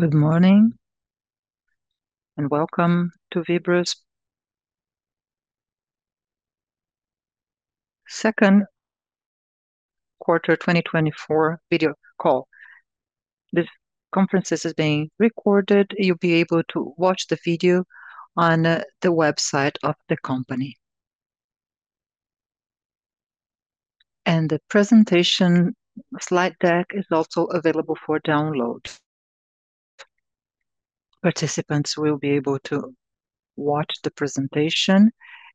Good morning and welcome to Vibra's Second Quarter 2024 video call. This conference is being recorded. You'll be able to watch the video on the website of the company, and the presentation slide deck is also available for download. Participants will be able to watch the presentation,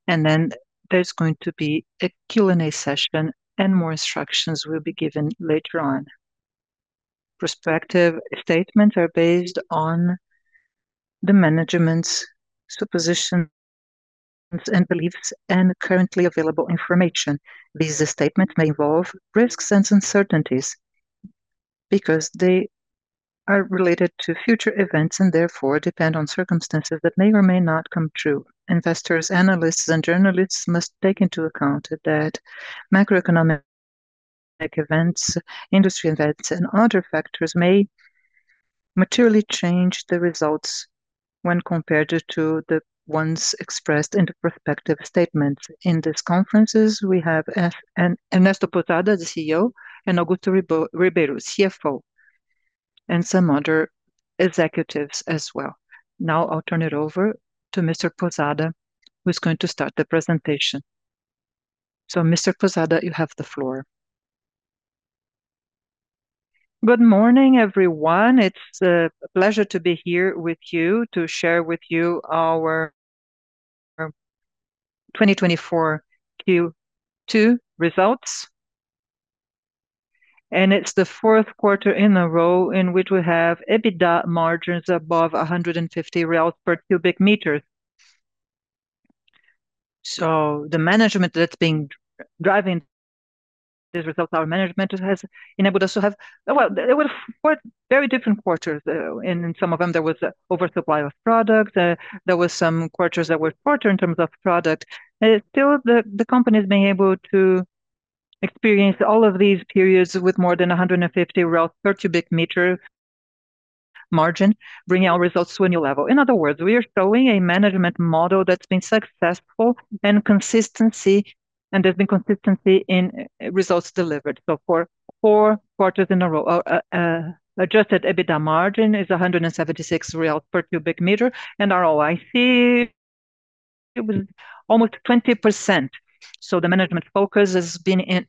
and then there's going to be a Q&A session, and more instructions will be given later on. Prospective statements are based on the management's suppositions and beliefs and currently available information. These statements may involve risks and uncertainties because they are related to future events and therefore depend on circumstances that may or may not come true. Investors, analysts, and journalists must take into account that macroeconomic events, industry events, and other factors may materially change the results when compared to the ones expressed in the prospective statements. In these conferences, we have Ernesto Pousada, the CEO, and Augusto Ribeiro, CFO, and some other executives as well. Now I'll turn it over to Mr. Pousada, who's going to start the presentation. So Mr. Pousada, you have the floor. Good morning, everyone. It's a pleasure to be here with you to share with you our 2024 Q2 results. And it's the fourth quarter in a row in which we have EBITDA margins above 150 per cubic meter. So the management that's been driving these results, our management has enabled us to have, well, there were four very different quarters. In some of them, there was an oversupply of product. There were some quarters that were shorter in terms of product. Still, the company has been able to experience all of these periods with more than 150 real per cubic meter margin, bringing our results to a new level. In other words, we are showing a management model that's been successful and consistency, and there's been consistency in results delivered. So for four quarters in a row, Adjusted EBITDA margin is 176 real per cubic meter, and our ROIC was almost 20%. So the management focus has been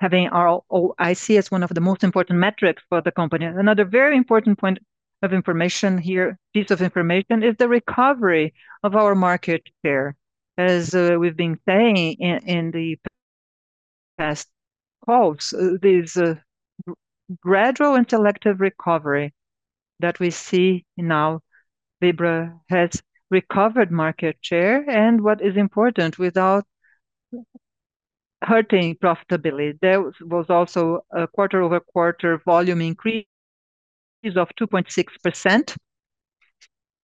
having our ROIC as one of the most important metrics for the company. Another very important point of information here, piece of information, is the recovery of our market share. As we've been saying in the past calls, this gradual incremental recovery that we see now, Vibra has recovered market share. And what is important, without hurting profitability, there was also a quarter-over-quarter volume increase of 2.6%.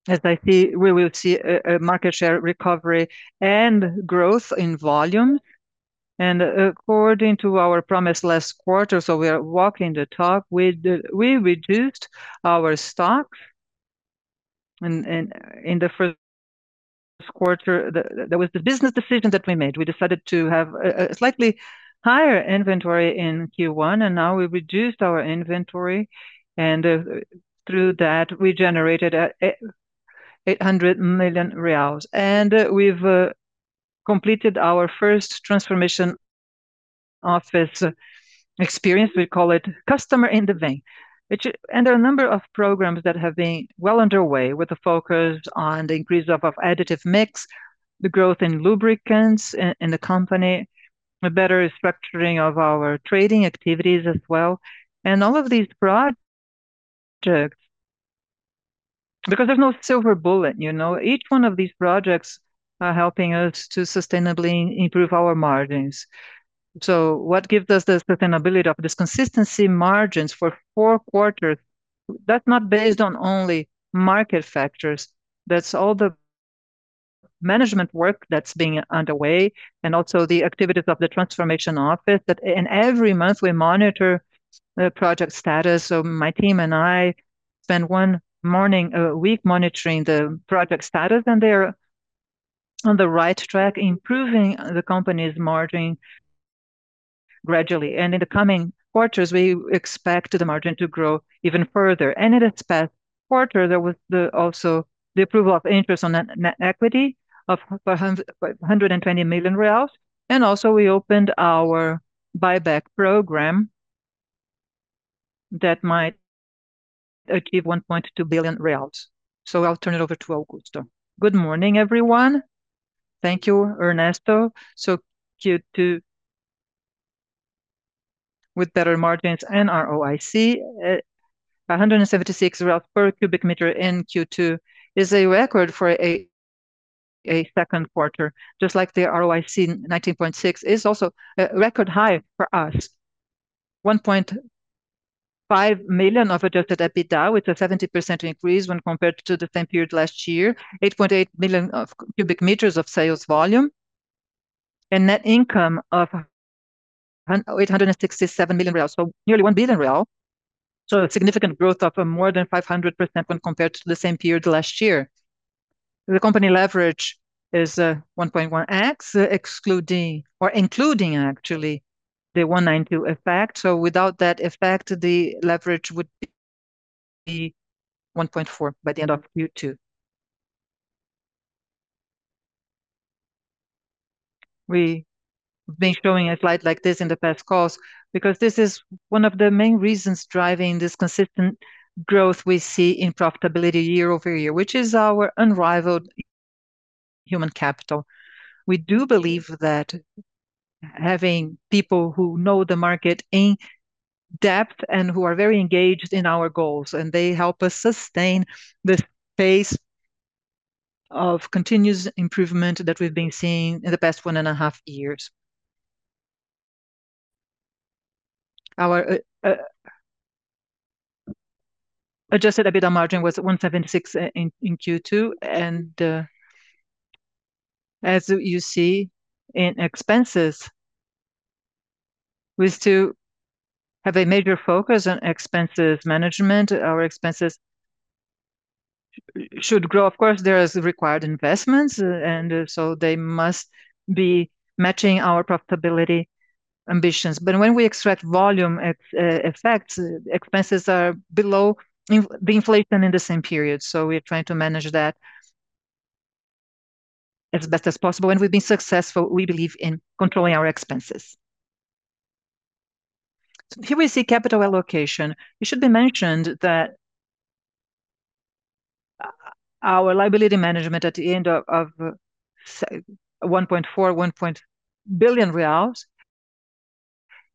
As I see, we will see a market share recovery and growth in volume. And according to our promise last quarter, so we are walking the talk, we reduced our stock. And in the first quarter, there was the business decision that we made. We decided to have a slightly higher inventory in Q1, and now we reduced our inventory, and through that, we generated 800 million reais, and we've completed our first Transformation Office experience. We call it Customer in the Vein, and there are a number of programs that have been well underway with a focus on the increase of additive mix, the growth in lubricants in the company, a better structuring of our trading activities as well, and all of these projects, because there's no silver bullet, you know, each one of these projects is helping us to sustainably improve our margins, so what gives us the sustainability of this consistent margins for four quarters? That's not based on only market factors. That's all the management work that's being underway and also the activities of the Transformation Office that in every month we monitor the project status. My team and I spend one morning a week monitoring the project status, and they are on the right track, improving the company's margin gradually. In the coming quarters, we expect the margin to grow even further. In this past quarter, there was also the approval of interest on net equity of 120 million reais. We also opened our buyback program that might achieve 1.2 billion reais. I'll turn it over to Augusto. Good morning, everyone. Thank you, Ernesto. Q2, with better margins and our OIC, 176 per cubic meter in Q2 is a record for a second quarter, just like the ROIC 19.6% is also a record high for us. 1.5 billion of Adjusted EBITDA, with a 70% increase when compared to the same period last year, 8.8 million cubic meters of sales volume, and net income of 867 million real, so nearly 1 billion real. So a significant growth of more than 500% when compared to the same period last year. The company leverage is 1.1x, excluding or including actually the 192 effect. So without that effect, the leverage would be uncertain by the end of Q2. We've been showing a slide like this in the past calls because this is one of the main reasons driving this consistent growth we see in profitability year over year, which is our unrivaled human capital. We do believe that having people who know the market in depth and who are very engaged in our goals, and they help us sustain the pace of continuous improvement that we've been seeing in the past one and a half years. Our Adjusted EBITDA margin was 176 in Q2. And as you see in expenses, we still have a major focus on expenses management. Our expenses should grow. Of course, there are required investments, and so they must be matching our profitability ambitions. But when we extract volume effects, expenses are below the inflation in the same period. So we're trying to manage that as best as possible. And we've been successful, we believe, in controlling our expenses. Here we see capital allocation. It should be mentioned that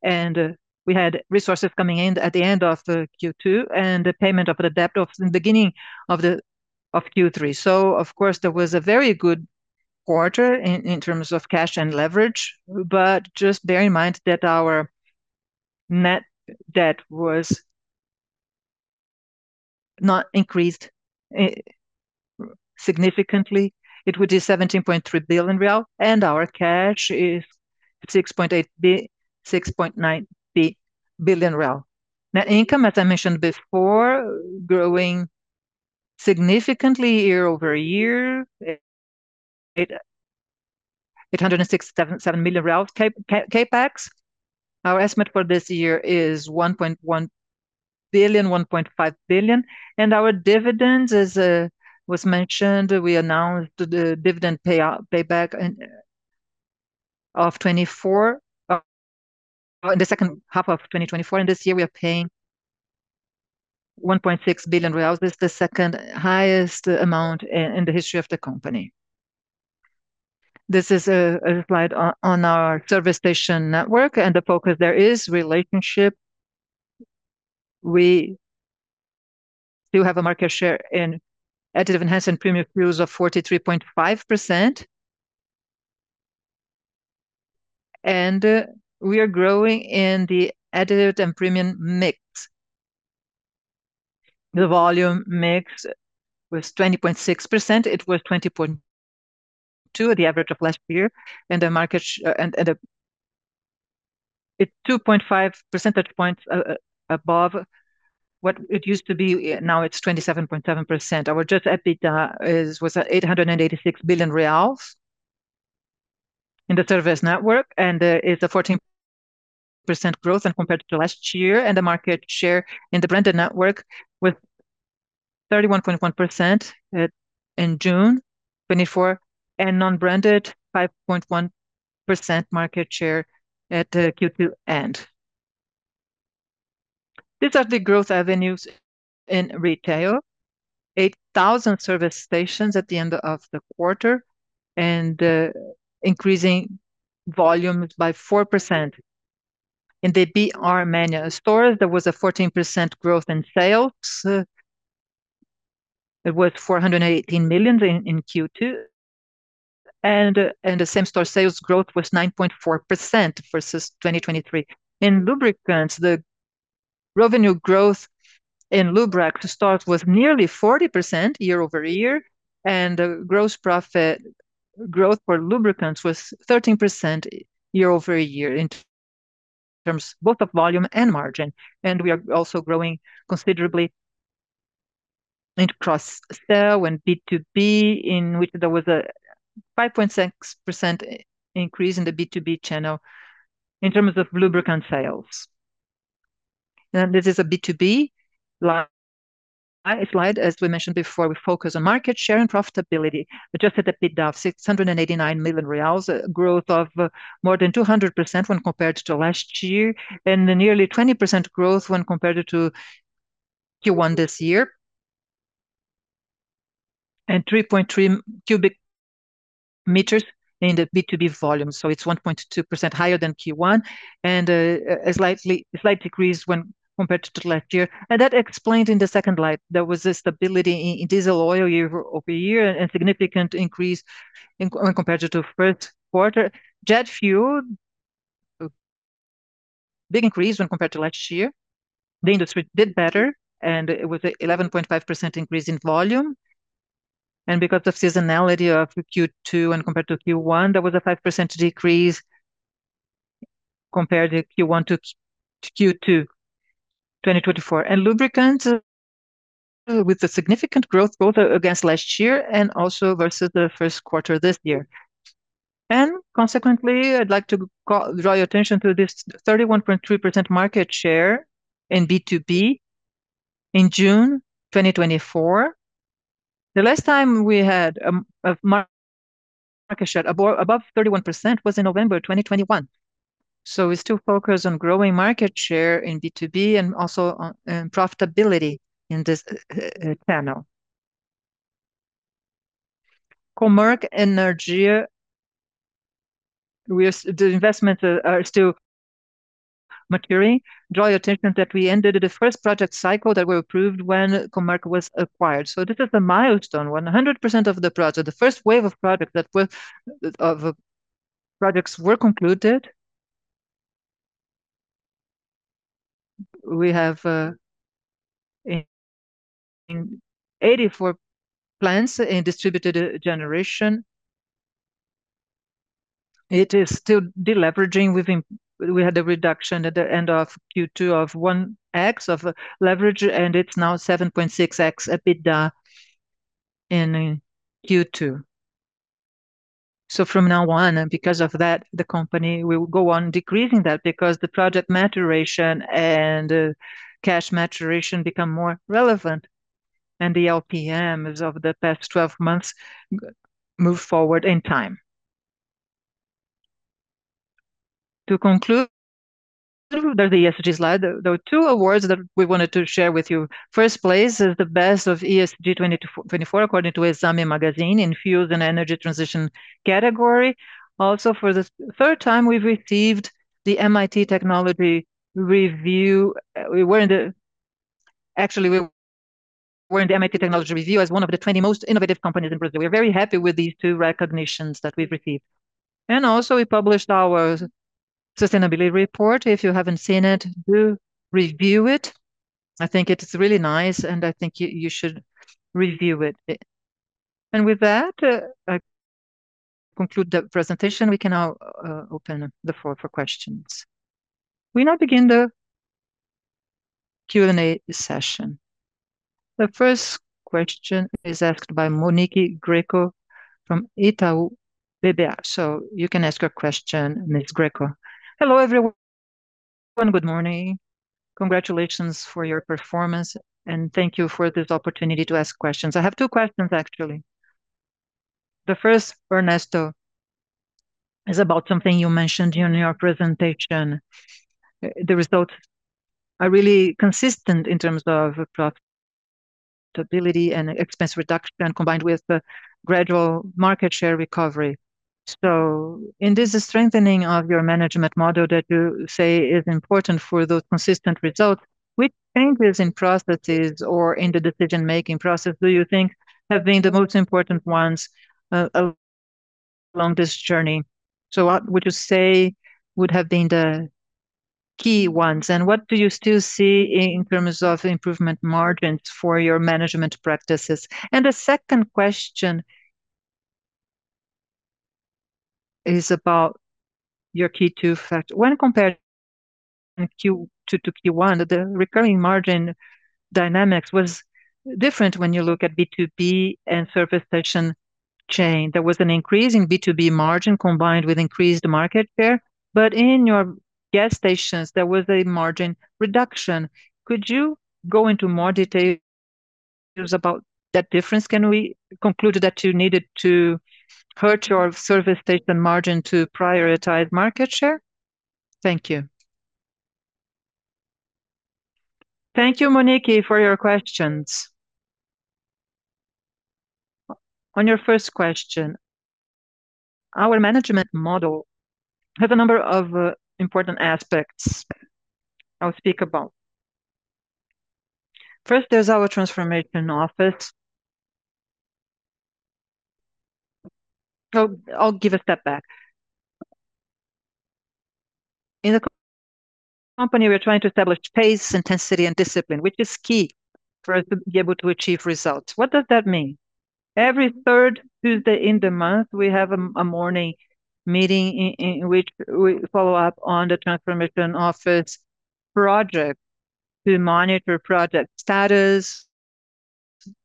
our liability management at the end of 1.4, BRL 1 billion. We had resources coming in at the end of Q2 and the payment of the debt at the beginning of Q3. Of course, there was a very good quarter in terms of cash and leverage. But just bear in mind that our net debt was not increased significantly. It would be 17.3 billion real, and our cash is 6.8 billion real, BRL 6.9 billion. Net income, as I mentioned before, growing significantly year over year, 867 million real. CapEx. Our estimate for this year is 1.1 billion - 1.5 billion. Our dividends was mentioned. We announced the dividend buyback of 2024 in the second half of 2024. This year, we are paying 1.6 billion reais. This is the second highest amount in the history of the company. This is a slide on our service station network, and the focus there is relationship. We do have a market share in additive enhancement premium fuels of 43.5%. And we are growing in the additive and premium mix. The volume mix was 20.6%. It was 20.2% at the average of last year. And the market is 2.5 percentage points above what it used to be. Now it's 27.7%. Our adjusted EBITDA was 886 million reais in the service network, and it's a 14% growth compared to last year. And the market share in the branded network was 31.1% in June 2024 and non-branded 5.1% market share at Q2 end. These are the growth avenues in retail: 8,000 service stations at the end of the quarter and increasing volume by 4%. In the BR Mania stores, there was a 14% growth in sales. It was 418 million in Q2. And the same store sales growth was 9.4% versus 2023. In lubricants, the revenue growth in lubricants starts with nearly 40% year over year. And the gross profit growth for lubricants was 13% year over year in terms both of volume and margin. And we are also growing considerably in cross-sale and B2B, in which there was a 5.6% increase in the B2B channel in terms of lubricant sales. And this is a B2B slide. As we mentioned before, we focus on market share and profitability. Adjusted EBITDA of 689 million reais, growth of more than 200% when compared to last year and nearly 20% growth when compared to Q1 this year, and 3.3 cubic meters in the B2B volume. So it's 1.2% higher than Q1 and a slight decrease when compared to last year. And that explained in the second slide. There was a stability in diesel oil year over year and a significant increase when compared to first quarter. Jet fuel, big increase when compared to last year. The industry did better, and it was an 11.5% increase in volume, and because of seasonality of Q2 when compared to Q1, there was a 5% decrease compared to Q1 to Q2 2024, and lubricants, with a significant growth both against last year and also versus the first quarter this year, and consequently, I'd like to draw your attention to this 31.3% market share in B2B in June 2024. The last time we had a market share above 31% was in November 2021, so we still focus on growing market share in B2B and also in profitability in this channel. Comerc Energia, the investments are still maturing. Draw your attention that we ended the first project cycle that were approved when Comerc was acquired, so this is a milestone, 100% of the project, the first wave of projects that were concluded. We have 84 plants in distributed generation. It is still deleveraging. We had a reduction at the end of Q2 of 1x of leverage, and it's now 7.6x EBITDA in Q2, so from now on, and because of that, the company will go on decreasing that because the project maturation and cash maturation become more relevant, and the LTMs of the past 12 months move forward in time. To conclude the ESG slide, there are two awards that we wanted to share with you. First place is the best of ESG 2024 according to EXAME magazine in fuels and energy transition category. Also, for the third time, we've received the MIT Technology Review. We were in the MIT Technology Review as one of the 20 most innovative companies in Brazil. We're very happy with these two recognitions that we've received. And also, we published our sustainability report. If you haven't seen it, do review it. I think it's really nice, and I think you should review it. And with that, I conclude the presentation. We can now open the floor for questions. We now begin the Q&A session. The first question is asked by Monique Greco from Itaú BBA. So you can ask your question, Ms. Greco. Hello, everyone. Good morning. Congratulations for your performance, and thank you for this opportunity to ask questions. I have two questions, actually. The first, Ernesto, is about something you mentioned in your presentation. The results are really consistent in terms of profitability and expense reduction combined with gradual market share recovery. So in this strengthening of your management model that you say is important for those consistent results, which changes in processes or in the decision-making process do you think have been the most important ones along this journey? So what would you say would have been the key ones? And what do you still see in terms of improvement margins for your management practices? And the second question is about your Q2 results. When compared to Q1, the recurring margin dynamics was different when you look at B2B and service station chain. There was an increase in B2B margin combined with increased market share. But in your gas stations, there was a margin reduction. Could you go into more details about that difference? Can we conclude that you needed to hurt your service station margin to prioritize market share? Thank you. Thank you, Monique, for your questions. On your first question, our management model has a number of important aspects I'll speak about. First, there's our Transformation Office. I'll give a step back. In the company, we're trying to establish pace, intensity, and discipline, which is key for us to be able to achieve results. What does that mean? Every third Tuesday in the month, we have a morning meeting in which we follow up on the Transformation Office project to monitor project status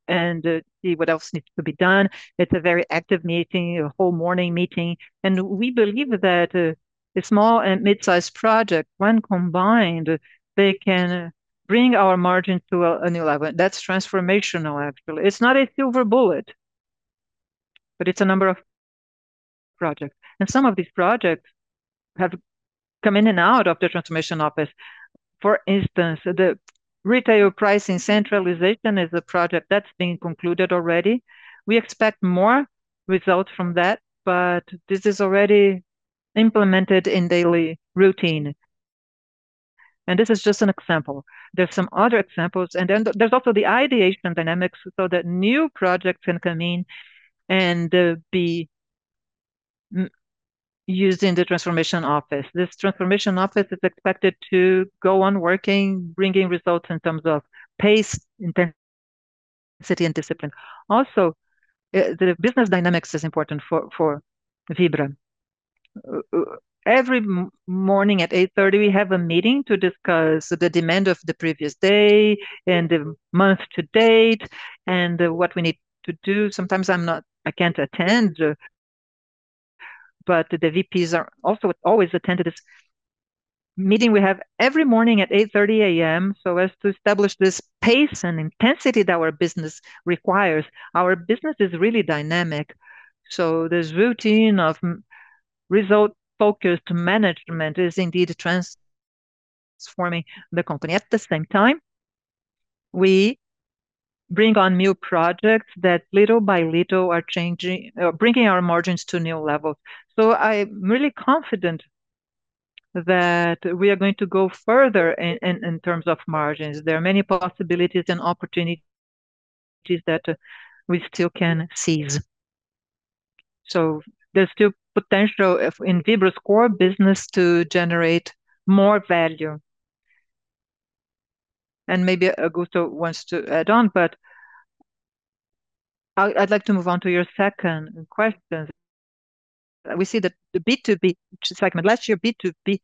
and see what else needs to be done. It's a very active meeting, a whole morning meeting. And we believe that a small and mid-sized project, when combined, they can bring our margin to a new level. That's transformational, actually. It's not a silver bullet, but it's a number of projects. And some of these projects have come in and out of the Transformation Office. For instance, the retail pricing centralization is a project that's been concluded already. We expect more results from that, but this is already implemented in daily routine, and this is just an example. There's some other examples, and then there's also the ideation dynamics so that new projects can come in and be used in the transformation office. This transformation office is expected to go on working, bringing results in terms of pace, intensity, and discipline. Also, the business dynamics is important for Vibra. Every morning at 8:30 A.M., we have a meeting to discuss the demand of the previous day and the month to date and what we need to do. Sometimes I can't attend, but the VPs are also always attending this meeting we have every morning at 8:30 A.M., so as to establish this pace and intensity that our business requires, our business is really dynamic. This routine of result-focused management is indeed transforming the company. At the same time, we bring on new projects that little by little are changing, bringing our margins to new levels. I'm really confident that we are going to go further in terms of margins. There are many possibilities and opportunities that we still can seize. There's still potential in Vibra's core business to generate more value. Maybe Augusto wants to add on, but I'd like to move on to your second question. We see that the B2B segment, last year B2B,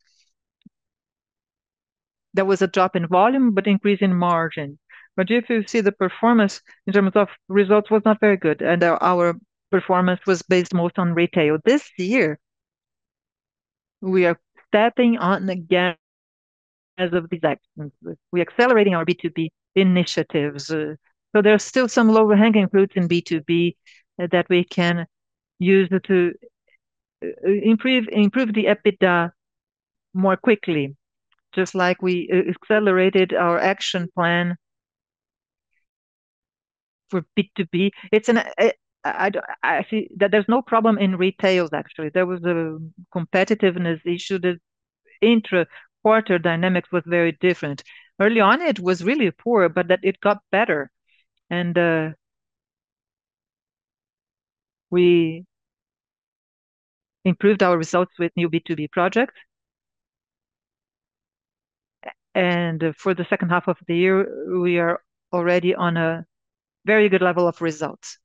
there was a drop in volume, but increase in margin. But if you see the performance in terms of results, it was not very good, and our performance was based most on retail. This year, we are stepping on again as of these actions. We're accelerating our B2B initiatives. There are still some low-hanging fruits in B2B that we can use to improve the EBITDA more quickly, just like we accelerated our action plan for B2B. I see that there's no problem in retail, actually. There was a competitiveness issue. The intra-quarter dynamics was very different. Early on, it was really poor, but it got better. And we improved our results with new B2B projects. And for the second half of the year, we are already on a very good level of results.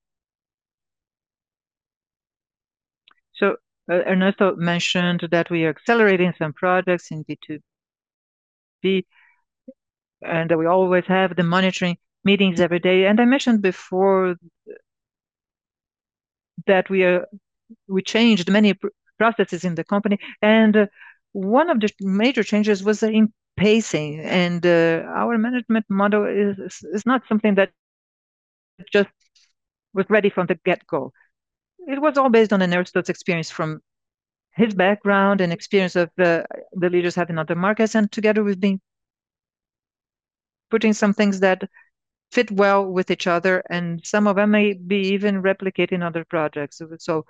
So Ernesto mentioned that we are accelerating some projects in B2B, and we always have the monitoring meetings every day. And I mentioned before that we changed many processes in the company. And one of the major changes was in pricing. And our management model is not something that just was ready from the get-go. It was all based on Ernesto's experience from his background and experience of the leaders having other markets. And together, we've been putting some things that fit well with each other, and some of them may be even replicating other projects. So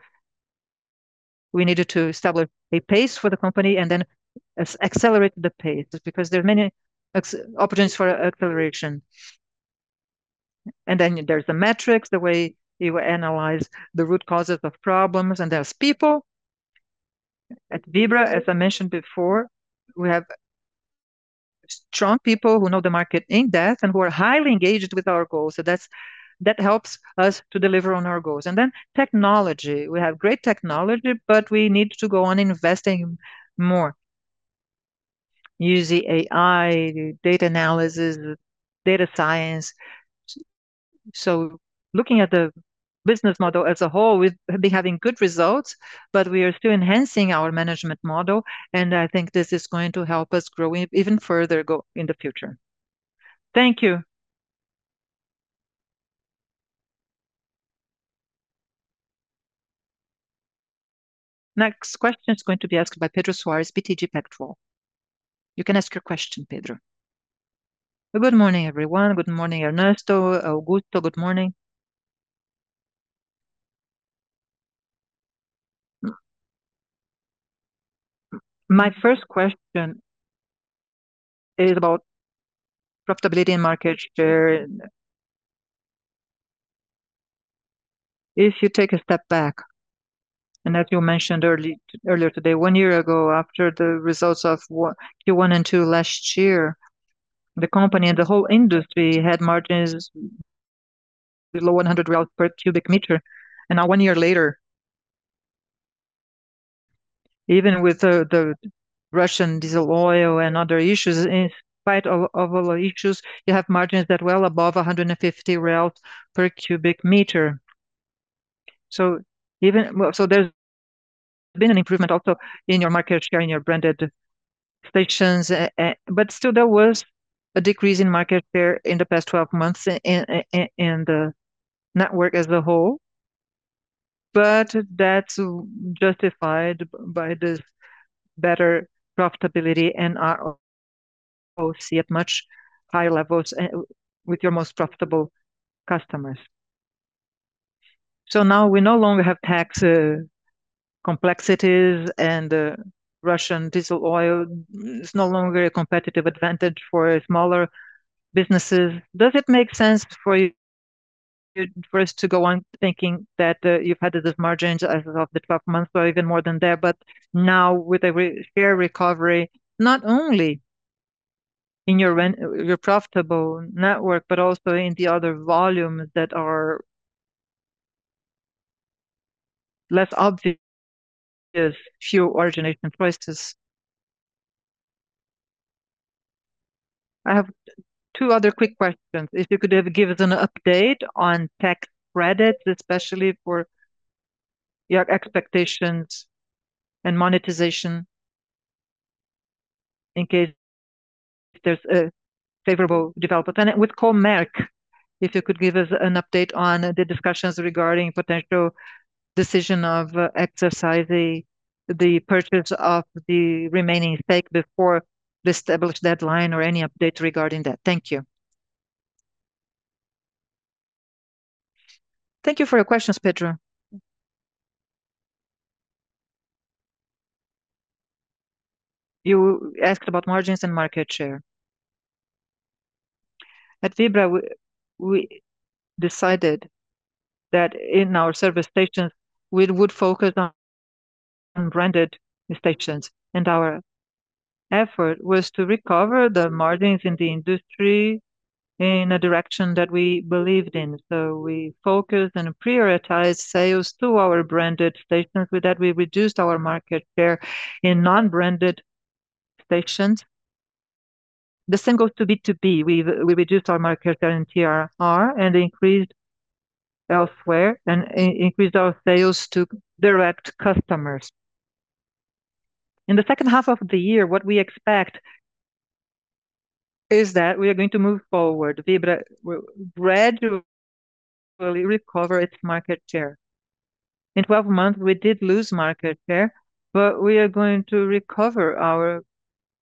we needed to establish a pace for the company and then accelerate the pace because there are many opportunities for acceleration. And then there's the metrics, the way you analyze the root causes of problems. And there's people at Vibra. As I mentioned before, we have strong people who know the market in depth and who are highly engaged with our goals. So that helps us to deliver on our goals. And then technology. We have great technology, but we need to go on investing more, using AI, data analysis, data science. Looking at the business model as a whole, we've been having good results, but we are still enhancing our management model. And I think this is going to help us grow even further in the future. Thank you. Next question is going to be asked by Pedro Soares, BTG Pactual. You can ask your question, Pedro. Good morning, everyone. Good morning, Ernesto. Augusto, good morning. My first question is about profitability and market share. If you take a step back, and as you mentioned earlier today, one year ago, after the results of Q1 and Q2 last year, the company and the whole industry had margins below 100 per cubic meter. And now, one year later, even with the Russian diesel oil and other issues, in spite of all the issues, you have margins that are well above 150 per cubic meter. So there's been an improvement also in your market share in your branded stations. But still, there was a decrease in market share in the past 12 months in the network as a whole. But that's justified by this better profitability and ROIC at much higher levels with your most profitable customers. So now we no longer have tax complexities, and Russian diesel oil is no longer a competitive advantage for smaller businesses. Does it make sense for you for us to go on thinking that you've had these margins as of the 12 months or even more than that? But now, with every share recovery, not only in your profitable network, but also in the other volumes that are less obvious, few origination choices. I have two other quick questions. If you could give us an update on tax credits, especially for your expectations and monetization, in case there's a favorable development, and with Comerc, if you could give us an update on the discussions regarding potential decision of exercising the purchase of the remaining stake before the established deadline or any update regarding that. Thank you. Thank you for your questions, Pedro. You asked about margins and market share. At Vibra, we decided that in our service stations, we would focus on branded stations, and our effort was to recover the margins in the industry in a direction that we believed in, so we focused and prioritized sales to our branded stations. With that, we reduced our market share in non-branded stations. The same goes to B2B. We reduced our market share in TRR and increased elsewhere and increased our sales to direct customers. In the second half of the year, what we expect is that we are going to move forward. Vibra gradually recovers its market share. In 12 months, we did lose market share, but we are going to recover our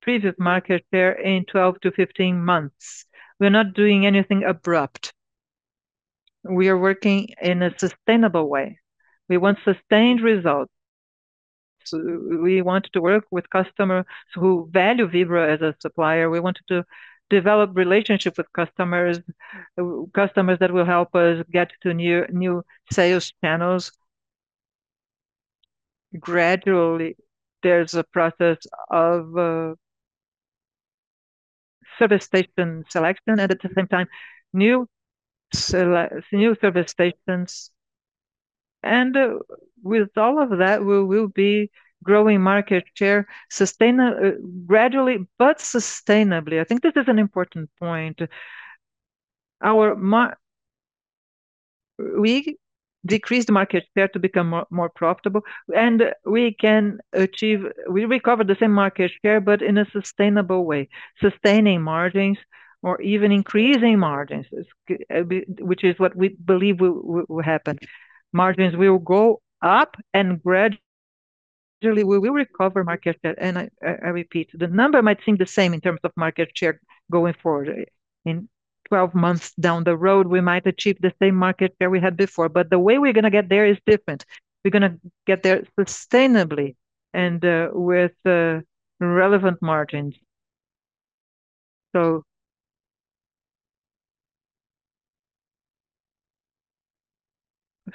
previous market share in 12 to 15 months. We're not doing anything abrupt. We are working in a sustainable way. We want sustained results. We want to work with customers who value Vibra as a supplier. We want to develop relationships with customers that will help us get to new sales channels. Gradually, there's a process of service station selection and at the same time, new service stations, and with all of that, we will be growing market share gradually, but sustainably. I think this is an important point. We decreased market share to become more profitable, and we can achieve. We recovered the same market share, but in a sustainable way, sustaining margins or even increasing margins, which is what we believe will happen. Margins will go up, and gradually, we will recover market share. I repeat, the number might seem the same in terms of market share going forward. In 12 months down the road, we might achieve the same market share we had before. The way we're going to get there is different. We're going to get there sustainably and with relevant margins.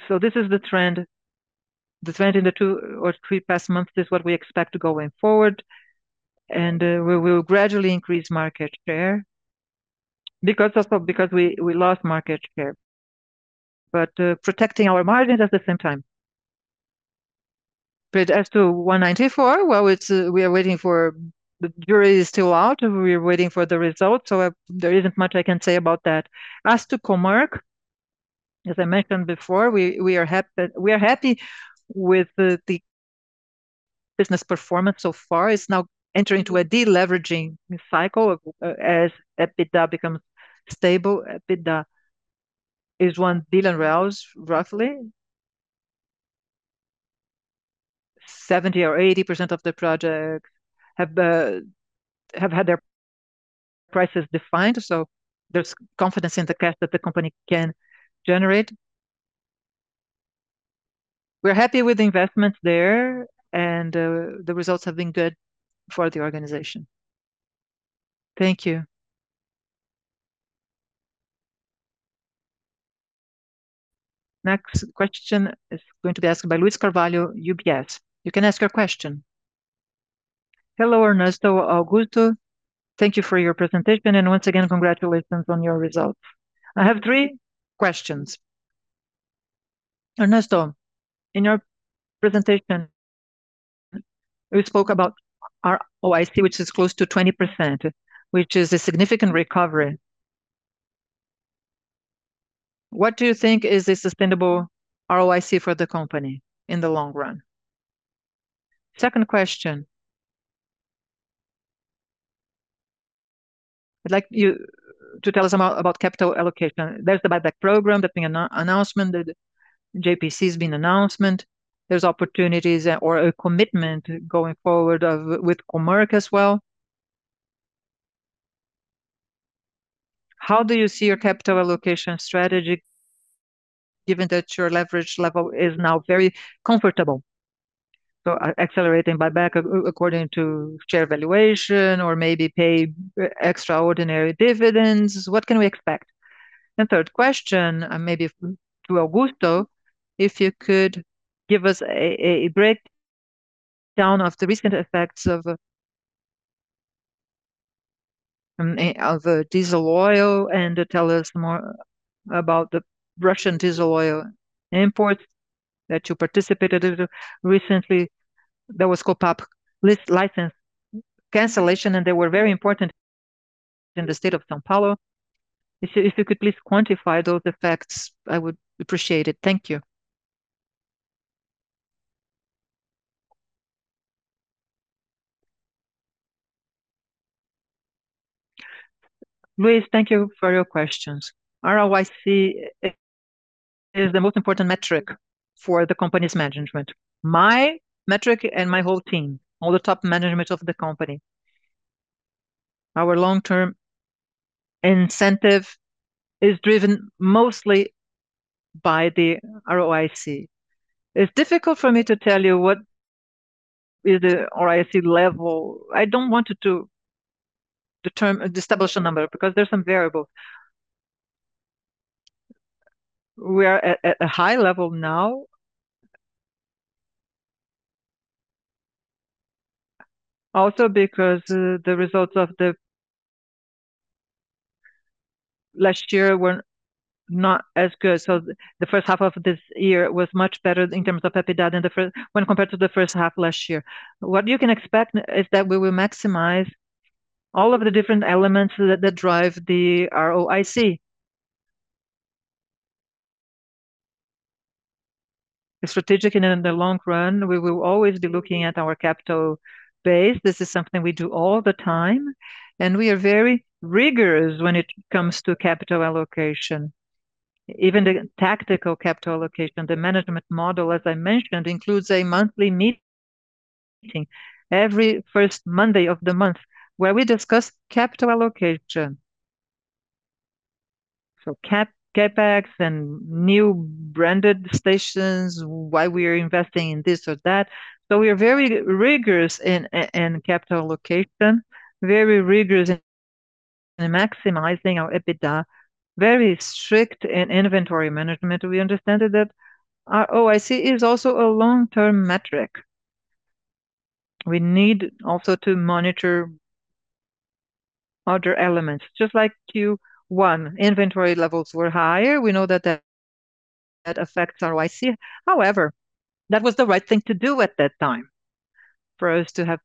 This is the trend. The trend in the two or three past months is what we expect going forward. We will gradually increase market share because we lost market share, but protecting our margins at the same time. But as to 194, well, we are waiting for the jury is still out. We're waiting for the results. So there isn't much I can say about that. As to Comerc, as I mentioned before, we are happy with the business performance so far. It's now entering into a deleveraging cycle as EBITDA becomes stable. EBITDA is BRL 1 billion roughly. 70% or 80% of the projects have had their prices defined. So there's confidence in the cash that the company can generate. We're happy with the investments there, and the results have been good for the organization. Thank you. Next question is going to be asked by Luiz Carvalho, UBS. You can ask your question. Hello, Ernesto. Augusto, thank you for your presentation. And once again, congratulations on your results. I have three questions. Ernesto, in your presentation, you spoke about ROIC, which is close to 20%, which is a significant recovery. What do you think is a sustainable ROIC for the company in the long run? Second question. I'd like you to tell us about capital allocation. There's the buyback program, that being an announcement, the JCP's been announcement. There's opportunities or a commitment going forward with Comerc as well. How do you see your capital allocation strategy, given that your leverage level is now very comfortable? So accelerating buyback according to share valuation or maybe pay extraordinary dividends. What can we expect? And third question, maybe to Augusto, if you could give us a breakdown of the recent effects of diesel oil and tell us more about the Russian diesel oil imports that you participated in recently. There was Copape license cancellation, and they were very important in the state of São Paulo. If you could please quantify those effects, I would appreciate it. Thank you. Luis, thank you for your questions. ROIC is the most important metric for the company's management. My metric and my whole team, all the top management of the company, our long-term incentive is driven mostly by the ROIC. It's difficult for me to tell you what is the ROIC level. I don't want to establish a number because there's some variables. We are at a high level now, also because the results of last year were not as good. So the first half of this year was much better in terms of EBITDA when compared to the first half last year. What you can expect is that we will maximize all of the different elements that drive the ROIC. Strategic in the long run, we will always be looking at our capital base. This is something we do all the time. And we are very rigorous when it comes to capital allocation, even the tactical capital allocation. The management model, as I mentioned, includes a monthly meeting every first Monday of the month where we discuss capital allocation. So CapEx and new branded stations, why we are investing in this or that. So we are very rigorous in capital allocation, very rigorous in maximizing our EBITDA, very strict in inventory management. We under stand that ROIC is also a long-term metric. We need also to monitor other elements, just like Q1. Inventory levels were higher. We know that that affects ROIC. However, that was the right thing to do at that time for us to have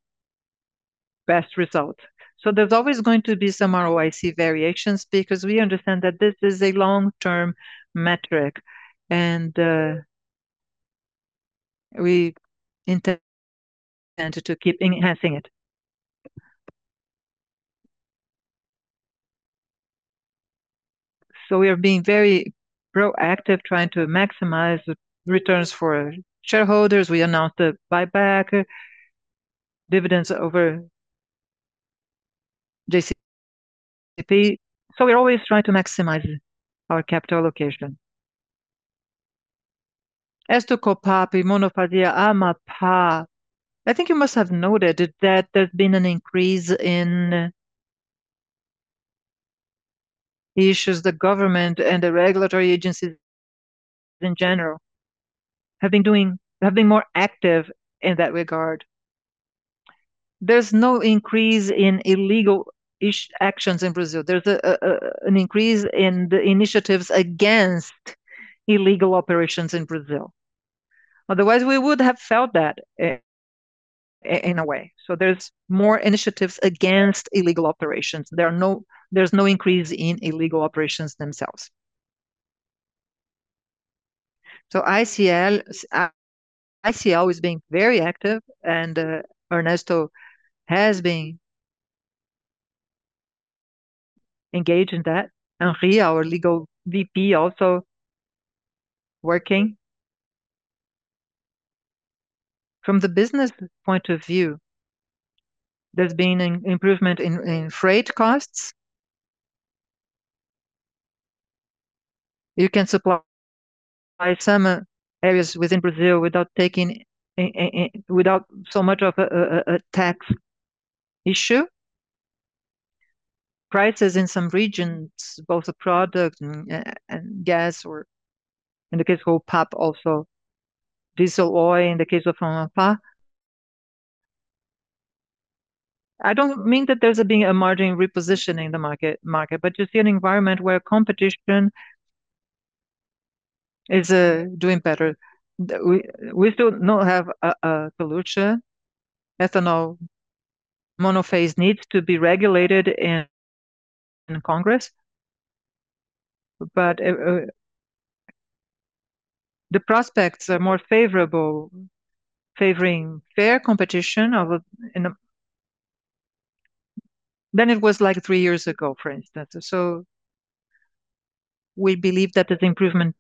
best results. So there's always going to be some ROIC variations because we understand that this is a long-term metric, and we intend to keep enhancing it. So we are being very proactive, trying to maximize returns for shareholders. We announced the buyback dividends over JCP. So we're always trying to maximize our capital allocation. As to Copape, Monofasia Fazia, Amapá, I think you must have noted that there's been an increase in issues the government and the regulatory agencies in general have been doing, have been more active in that regard. There's no increase in illegal actions in Brazil. There's an increase in the initiatives against illegal operations in Brazil. Otherwise, we would have felt that in a way. So there's more initiatives against illegal operations. There's no increase in illegal operations themselves. So ICL is being very active, and Ernesto has been engaged in that. Henry, our legal VP, also working. From the business point of view, there's been an improvement in freight costs. You can supply some areas within Brazil without taking so much of a tax issue. Prices in some regions, both product and gas, or in the case of Copape, also diesel oil in the case of Amapá. I don't mean that there's been a margin repositioning in the market, but you see an environment where competition is doing better. We still don't have a solution. Ethanol monophase needs to be regulated in Congress. But the prospects are more favorable, favoring fair competition than it was like three years ago, for instance. We believe that this improvement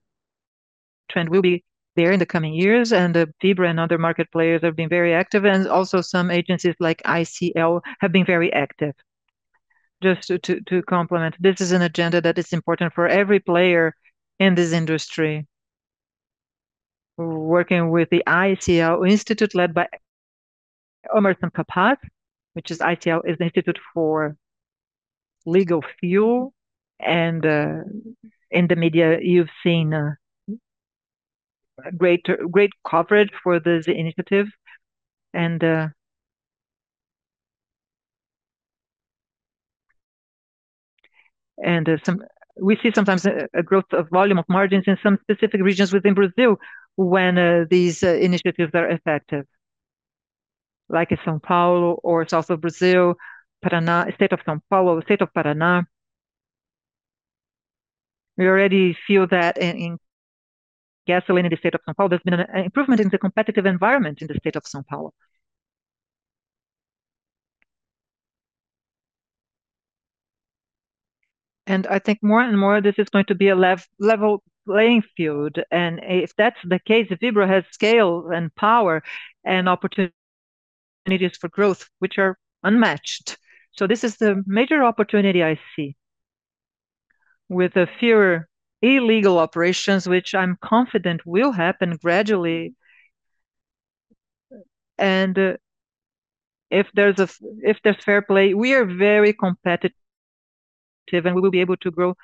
trend will be there in the coming years. Vibra and other market players have been very active. Also some agencies like ICL have been very active. Just to complement, this is an agenda that is important for every player in this industry, working with the ICL Institute led by Emerson Kapaz, which is ICL, the Institute for Legal Fuel, and in the media, you've seen great coverage for this initiative, and we see sometimes a growth of volume of margins in some specific regions within Brazil when these initiatives are effective, like São Paulo or south of Brazil, state of São Paulo, state of Paraná. We already feel that in gasoline in the state of São Paulo, there's been an improvement in the competitive environment in the state of São Paulo, and I think more and more this is going to be a level playing field, and if that's the case, Vibra has scale and power and opportunities for growth, which are unmatched. So this is the major opportunity I see with fewer illegal operations, which I'm confident will happen gradually. And if there's fair play, we are very competitive, and we will be able to grow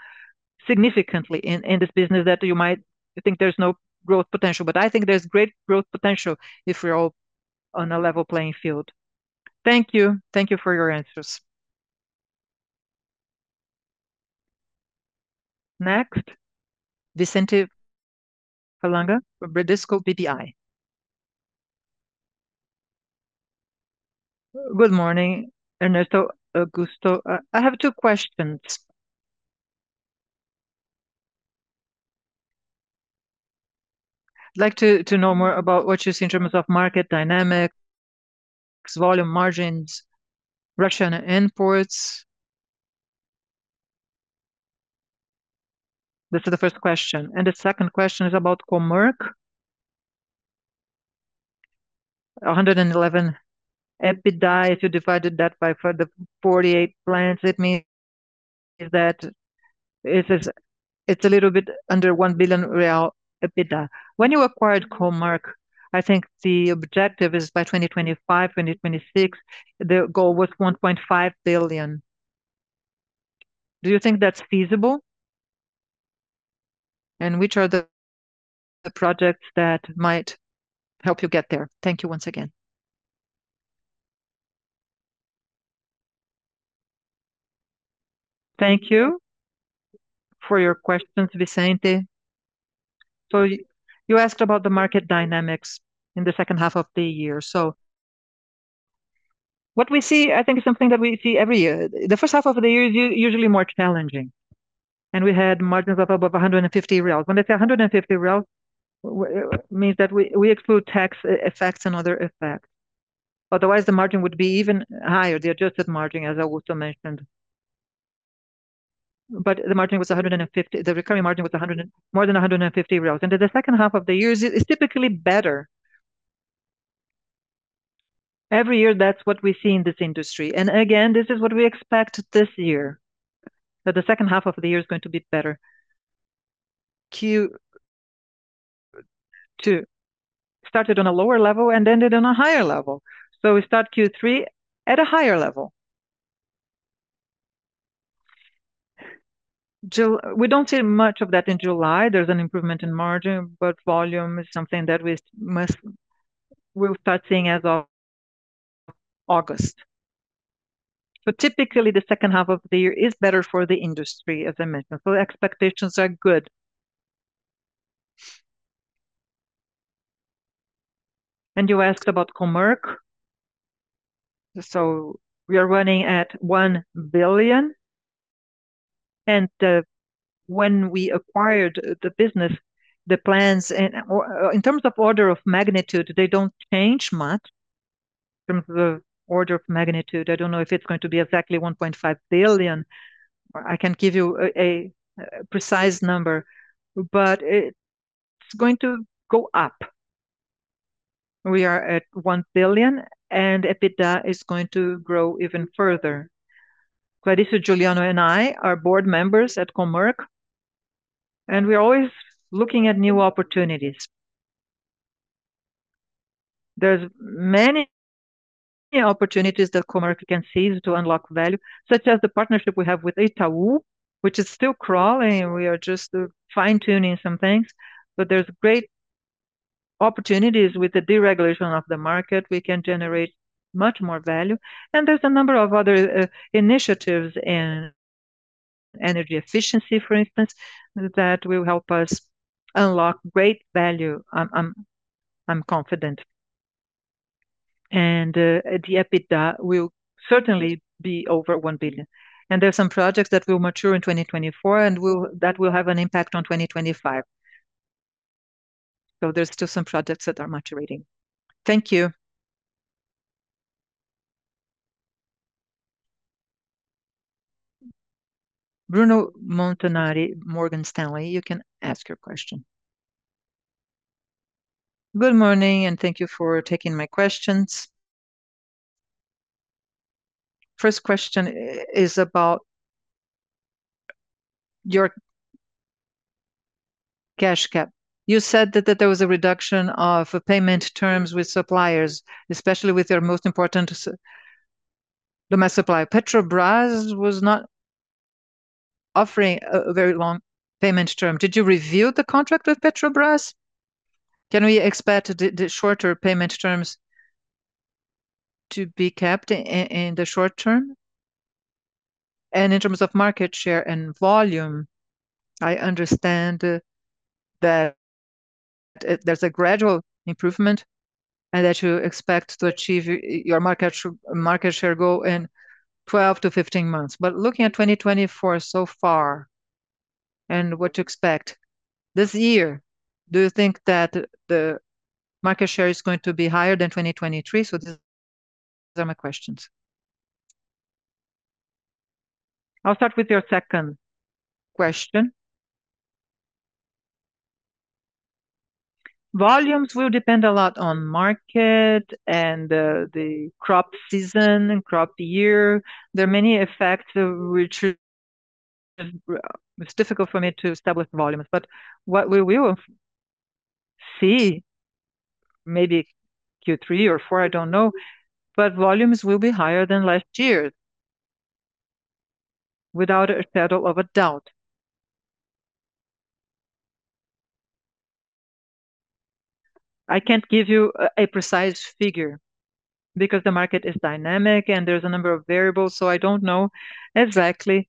significantly in this business that you might think there's no growth potential. But I think there's great growth potential if we're all on a level playing field. Thank you. Thank you for your answers. Next, Vicente Falanga from Bradesco BBI. Good morning, Ernesto, Augusto. I have two questions. I'd like to know more about what you see in terms of market dynamics, volume margins, Russian imports. This is the first question. And the second question is about Comerc. 1.1 billion EBITDA, if you divided that by the 48 plants, it means that it's a little bit under 1 billion real EBITDA. When you acquired Comerc, I think the objective is by 2025, 2026, the goal was 1.5 billion. Do you think that's feasible? And which are the projects that might help you get there? Thank you once again. Thank you for your questions, Vicente. So you asked about the market dynamics in the second half of the year. What we see, I think, is something that we see every year. The first half of the year is usually more challenging. We had margins of above 150 reais. When I say 150 reais, it means that we exclude tax effects and other effects. Otherwise, the margin would be even higher, the adjusted margin, as Augusto mentioned. The margin was 150. The recurring margin was more than 150. In the second half of the year, it's typically better. Every year, that's what we see in this industry. Again, this is what we expect this year, that the second half of the year is going to be better. Q2 started on a lower level and ended on a higher level. We start Q3 at a higher level. We don't see much of that in July. There's an improvement in margin, but volume is something that we will start seeing as of August. Typically, the second half of the year is better for the industry, as I mentioned. Expectations are good. You asked about Comerc. We are running at 1 billion. And when we acquired the business, the plans, in terms of order of magnitude, they don't change much. In terms of order of magnitude, I don't know if it's going to be exactly 1.5 billion. I can give you a precise number, but it's going to go up. We are at one billion, and EBITDA is going to grow even further. Clarissa, Giuliano, and I are board members at Comerc, and we're always looking at new opportunities. There's many opportunities that Comerc can seize to unlock value, such as the partnership we have with Itaú, which is still crawling. We are just fine-tuning some things, but there's great opportunities with the deregulation of the market. We can generate much more value, and there's a number of other initiatives in energy efficiency, for instance, that will help us unlock great value, I'm confident, and the EBITDA will certainly be over one billion, and there are some projects that will mature in 2024 and that will have an impact on 2025, so there's still some projects that are maturing. Thank you. Bruno Montanari, Morgan Stanley, you can ask your question. Good morning, and thank you for taking my questions. First question is about your cash cap. You said that there was a reduction of payment terms with suppliers, especially with your most important domestic supplier. Petrobras was not offering a very long payment term. Did you review the contract with Petrobras? Can we expect the shorter payment terms to be kept in the short term? And in terms of market share and volume, I understand that there's a gradual improvement and that you expect to achieve your market share goal in 12 to 15 months. But looking at 2024 so far and what to expect this year, do you think that the market share is going to be higher than 2023? So these are my questions. I'll start with your second question. Volumes will depend a lot on market and the crop season and crop year. There are many effects which it's difficult for me to establish volumes. But what we will see, maybe Q3 or Q4, I don't know, but volumes will be higher than last year, without a shadow of a doubt. I can't give you a precise figure because the market is dynamic and there's a number of variables. So I don't know exactly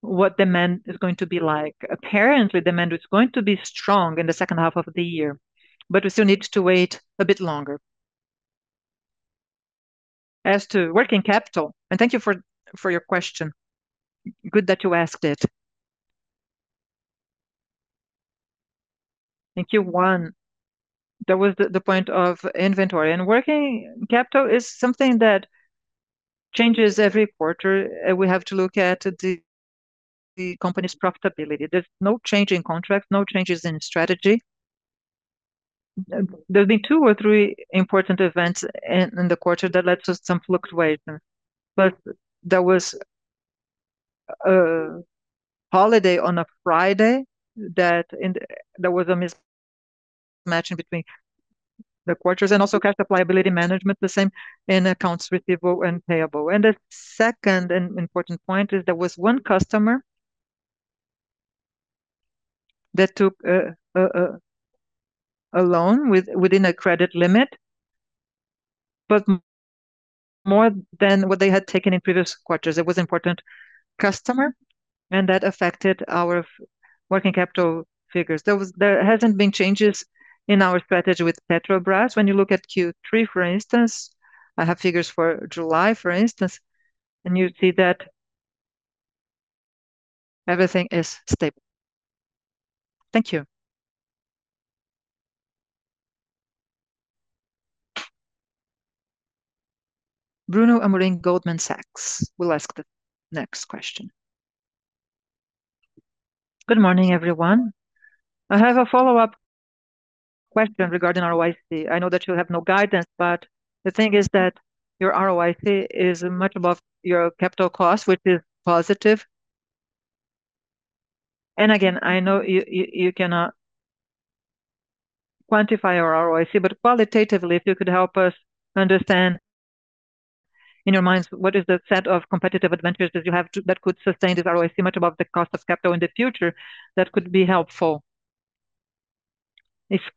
what demand is going to be like. Apparently, demand is going to be strong in the second half of the year, but we still need to wait a bit longer. As to working capital, and thank you for your question. Good that you asked it. In Q1, there was the point of inventory. And working capital is something that changes every quarter. We have to look at the company's profitability. There's no change in contracts, no changes in strategy. There have been two or three important events in the quarter that led to some fluctuation. But there was a holiday on a Friday that there was a mismatch between the quarters and also cash supplyability management, the same in accounts receivable and payable. And the second important point is there was one customer that took a loan within a credit limit, but more than what they had taken in previous quarters. It was an important customer, and that affected our working capital figures. There hasn't been changes in our strategy with Petrobras. When you look at Q3, for instance, I have figures for July, for instance, and you see that everything is stable. Thank you. Bruno Amorim, Goldman Sachs, will ask the next question. Good morning, everyone. I have a follow-up question regarding ROIC. I know that you have no guidance, but the thing is that your ROIC is much above your capital cost, which is positive. And again, I know you cannot quantify our ROIC, but qualitatively, if you could help us understand in your minds, what is the set of competitive advantages that you have that could sustain this ROIC much above the cost of capital in the future, that could be helpful?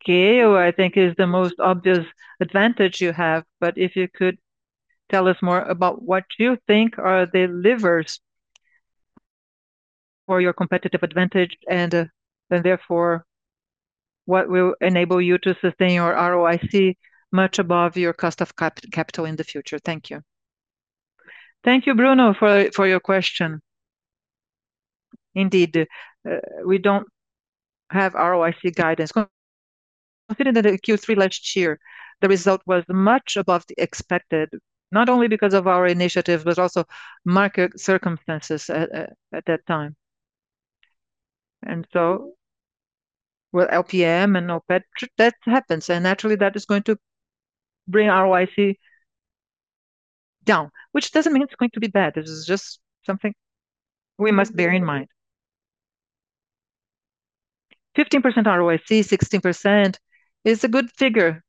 Scale, I think, is the most obvious advantage you have, but if you could tell us more about what you think are the levers for your competitive advantage and therefore what will enable you to sustain your ROIC much above your cost of capital in the future? Thank you. Thank you, Bruno, for your question. Indeed, we don't have ROIC guidance. Considering that in Q3 last year, the result was much above the expected, not only because of our initiatives, but also market circumstances at that time. And so with LTM and OPEC, that happens. Naturally, that is going to bring ROIC down, which doesn't mean it's going to be bad. This is just something we must bear in mind. 15% ROIC, 16% is a good figure.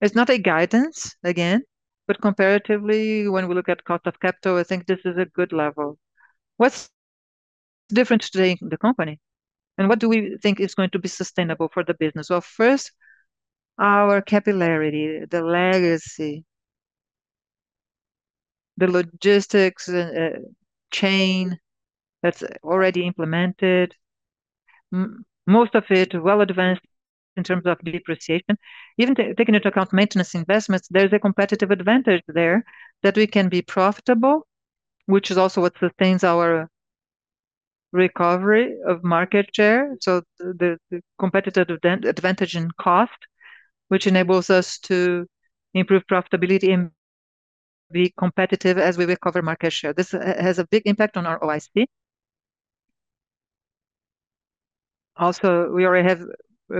It's not a guidance, again, but comparatively, when we look at cost of capital, I think this is a good level. What's different today in the company? What do we think is going to be sustainable for the business? First, our capillarity, the legacy, the logistics chain that's already implemented, most of it well-advanced in terms of depreciation. Even taking into account maintenance investments, there's a competitive advantage there that we can be profitable, which is also what sustains our recovery of market share. The competitive advantage in cost, which enables us to improve profitability and be competitive as we recover market share. This has a big impact on our ROIC. Also, we already have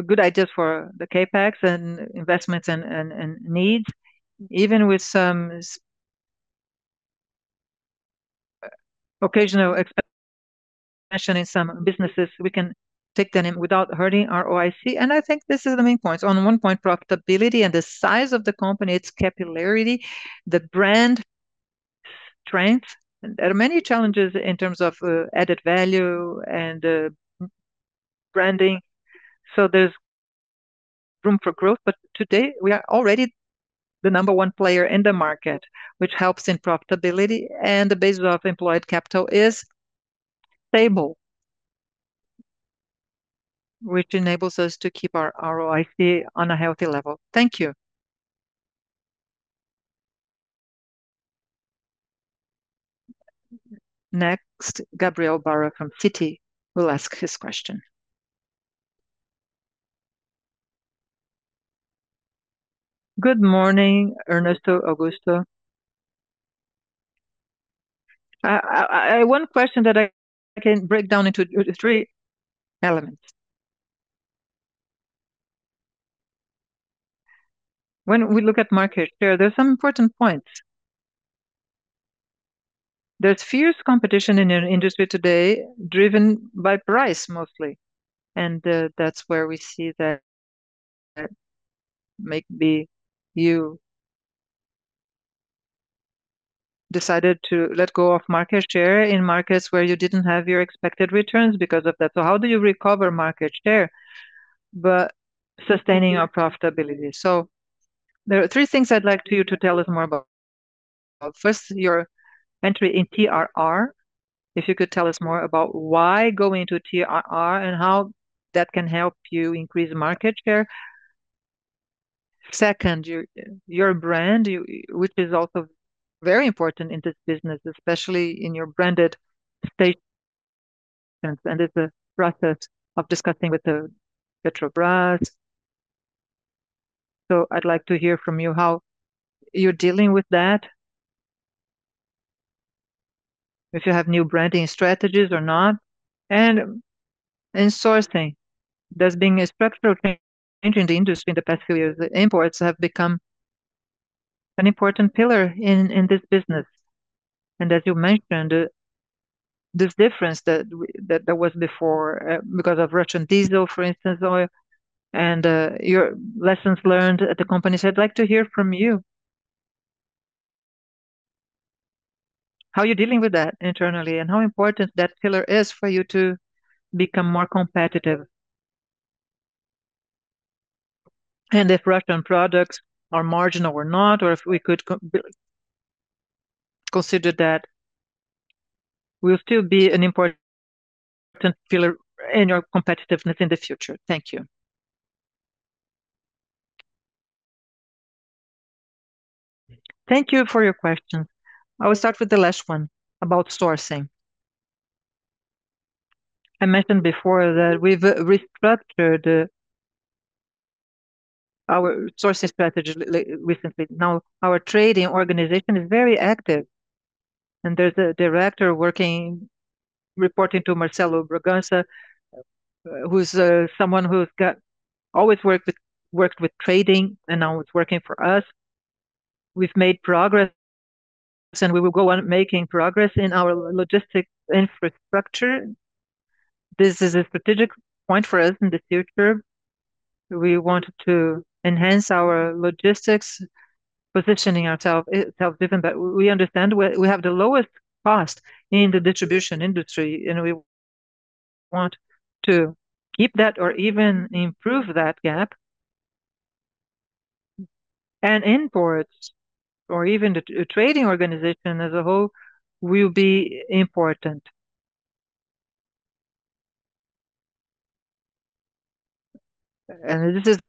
good ideas for the CapEx and investments and needs. Even with some occasional expansion in some businesses, we can take them in without hurting our ROIC. And I think this is the main point. On one point, profitability and the size of the company, its capillarity, the brand strength. There are many challenges in terms of added value and branding. So there's room for growth. But today, we are already the number one player in the market, which helps in profitability. And the basis of employed capital is stable, which enables us to keep our ROIC on a healthy level. Thank you. Next, Gabriel Barra from Citi will ask his question. Good morning, Ernesto, Augusto. One question that I can break down into three elements. When we look at market share, there's some important points. There's fierce competition in an industry today driven by price mostly. That's where we see that maybe you decided to let go of market share in markets where you didn't have your expected returns because of that. How do you recover market share by sustaining your profitability? There are three things I'd like you to tell us more about. First, your entry in TRR. If you could tell us more about why going to TRR and how that can help you increase market share. Second, your brand, which is also very important in this business, especially in your branded stations. It's a process of discussing with Petrobras. I'd like to hear from you how you're dealing with that, if you have new branding strategies or not. In sourcing, there's been a structural change in the industry in the past few years. Imports have become an important pillar in this business. As you mentioned, this difference that was before because of Russian diesel, for instance, oil, and your lessons learned at the companies. I'd like to hear from you how you're dealing with that internally and how important that pillar is for you to become more competitive. And if Russian products are marginal or not, or if we could consider that, will still be an important pillar in your competitiveness in the future. Thank you. Thank you for your questions. I will start with the last one about sourcing. I mentioned before that we've restructured our sourcing strategy recently. Now, our trading organization is very active. And there's a director working, reporting to Marcelo Bragança, who's someone who's always worked with trading and now is working for us. We've made progress, and we will go on making progress in our logistics infrastructure. This is a strategic point for us in the future. We want to enhance our logistics, positioning ourselves self-driven, but we understand we have the lowest cost in the distribution industry, and we want to keep that or even improve that gap. And imports, or even the trading organization as a whole, will be important. And this is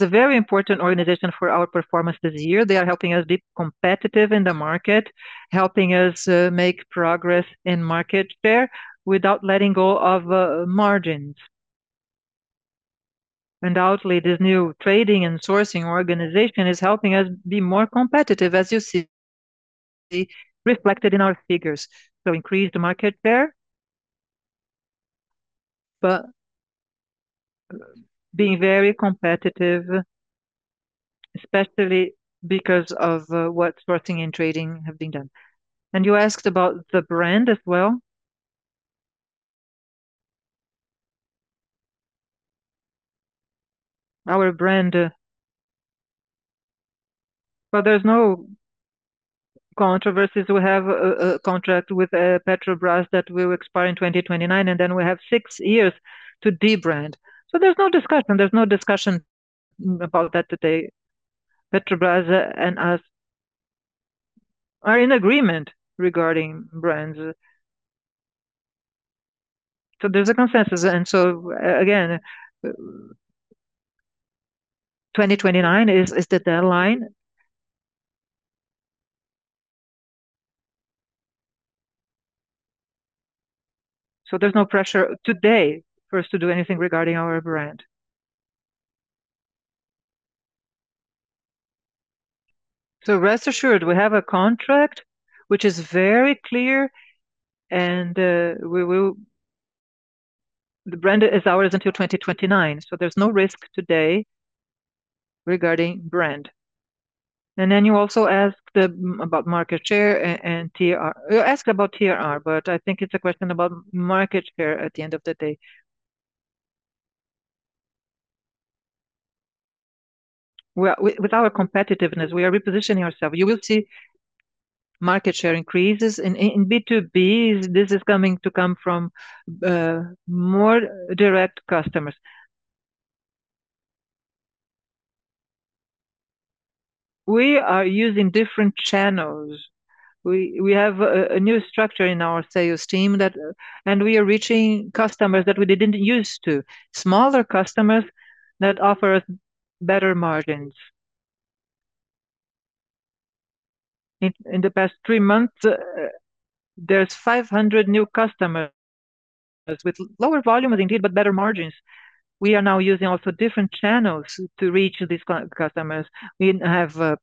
a very important organization for our performance this year. They are helping us be competitive in the market, helping us make progress in market share without letting go of margins. Undoubtedly, this new trading and sourcing organization is helping us be more competitive, as you see reflected in our figures. So increase the market share, but being very competitive, especially because of what sourcing and trading have been done. And you asked about the brand as well. Our brand, but there's no controversy. We have a contract with Petrobras that will expire in 2029, and then we have six years to de-brand. So there's no discussion. There's no discussion about that today. Petrobras and us are in agreement regarding brands. So there's a consensus. And so again, 2029 is the deadline. So there's no pressure today for us to do anything regarding our brand. So rest assured, we have a contract which is very clear, and the brand is ours until 2029. So there's no risk today regarding brand. And then you also asked about market share and TRR. You asked about TRR, but I think it's a question about market share at the end of the day. With our competitiveness, we are repositioning ourselves. You will see market share increases. In B2B, this is coming to come from more direct customers. We are using different channels. We have a new structure in our sales team, and we are reaching customers that we didn't use to, smaller customers that offer us better margins. In the past three months, there's 500 new customers with lower volumes indeed, but better margins. We are now using also different channels to reach these customers. We have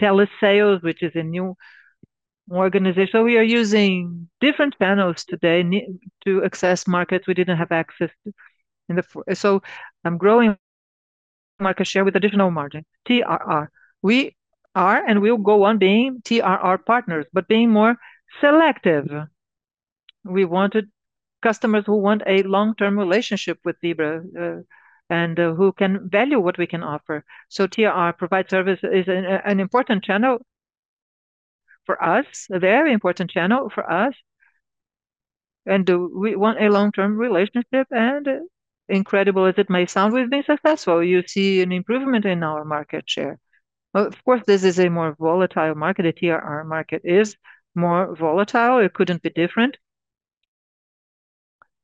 Telesales, which is a new organization, so we are using different channels today to access markets we didn't have access to, so I'm growing market share with additional margin, TRR. We are and will go on being TRR partners, but being more selective. We wanted customers who want a long-term relationship with Vibra and who can value what we can offer. So TRR provider service is an important channel for us, a very important channel for us, and we want a long-term relationship, and incredible as it may sound, we've been successful. You see an improvement in our market share. Of course, this is a more volatile market. The TRR market is more volatile. It couldn't be different.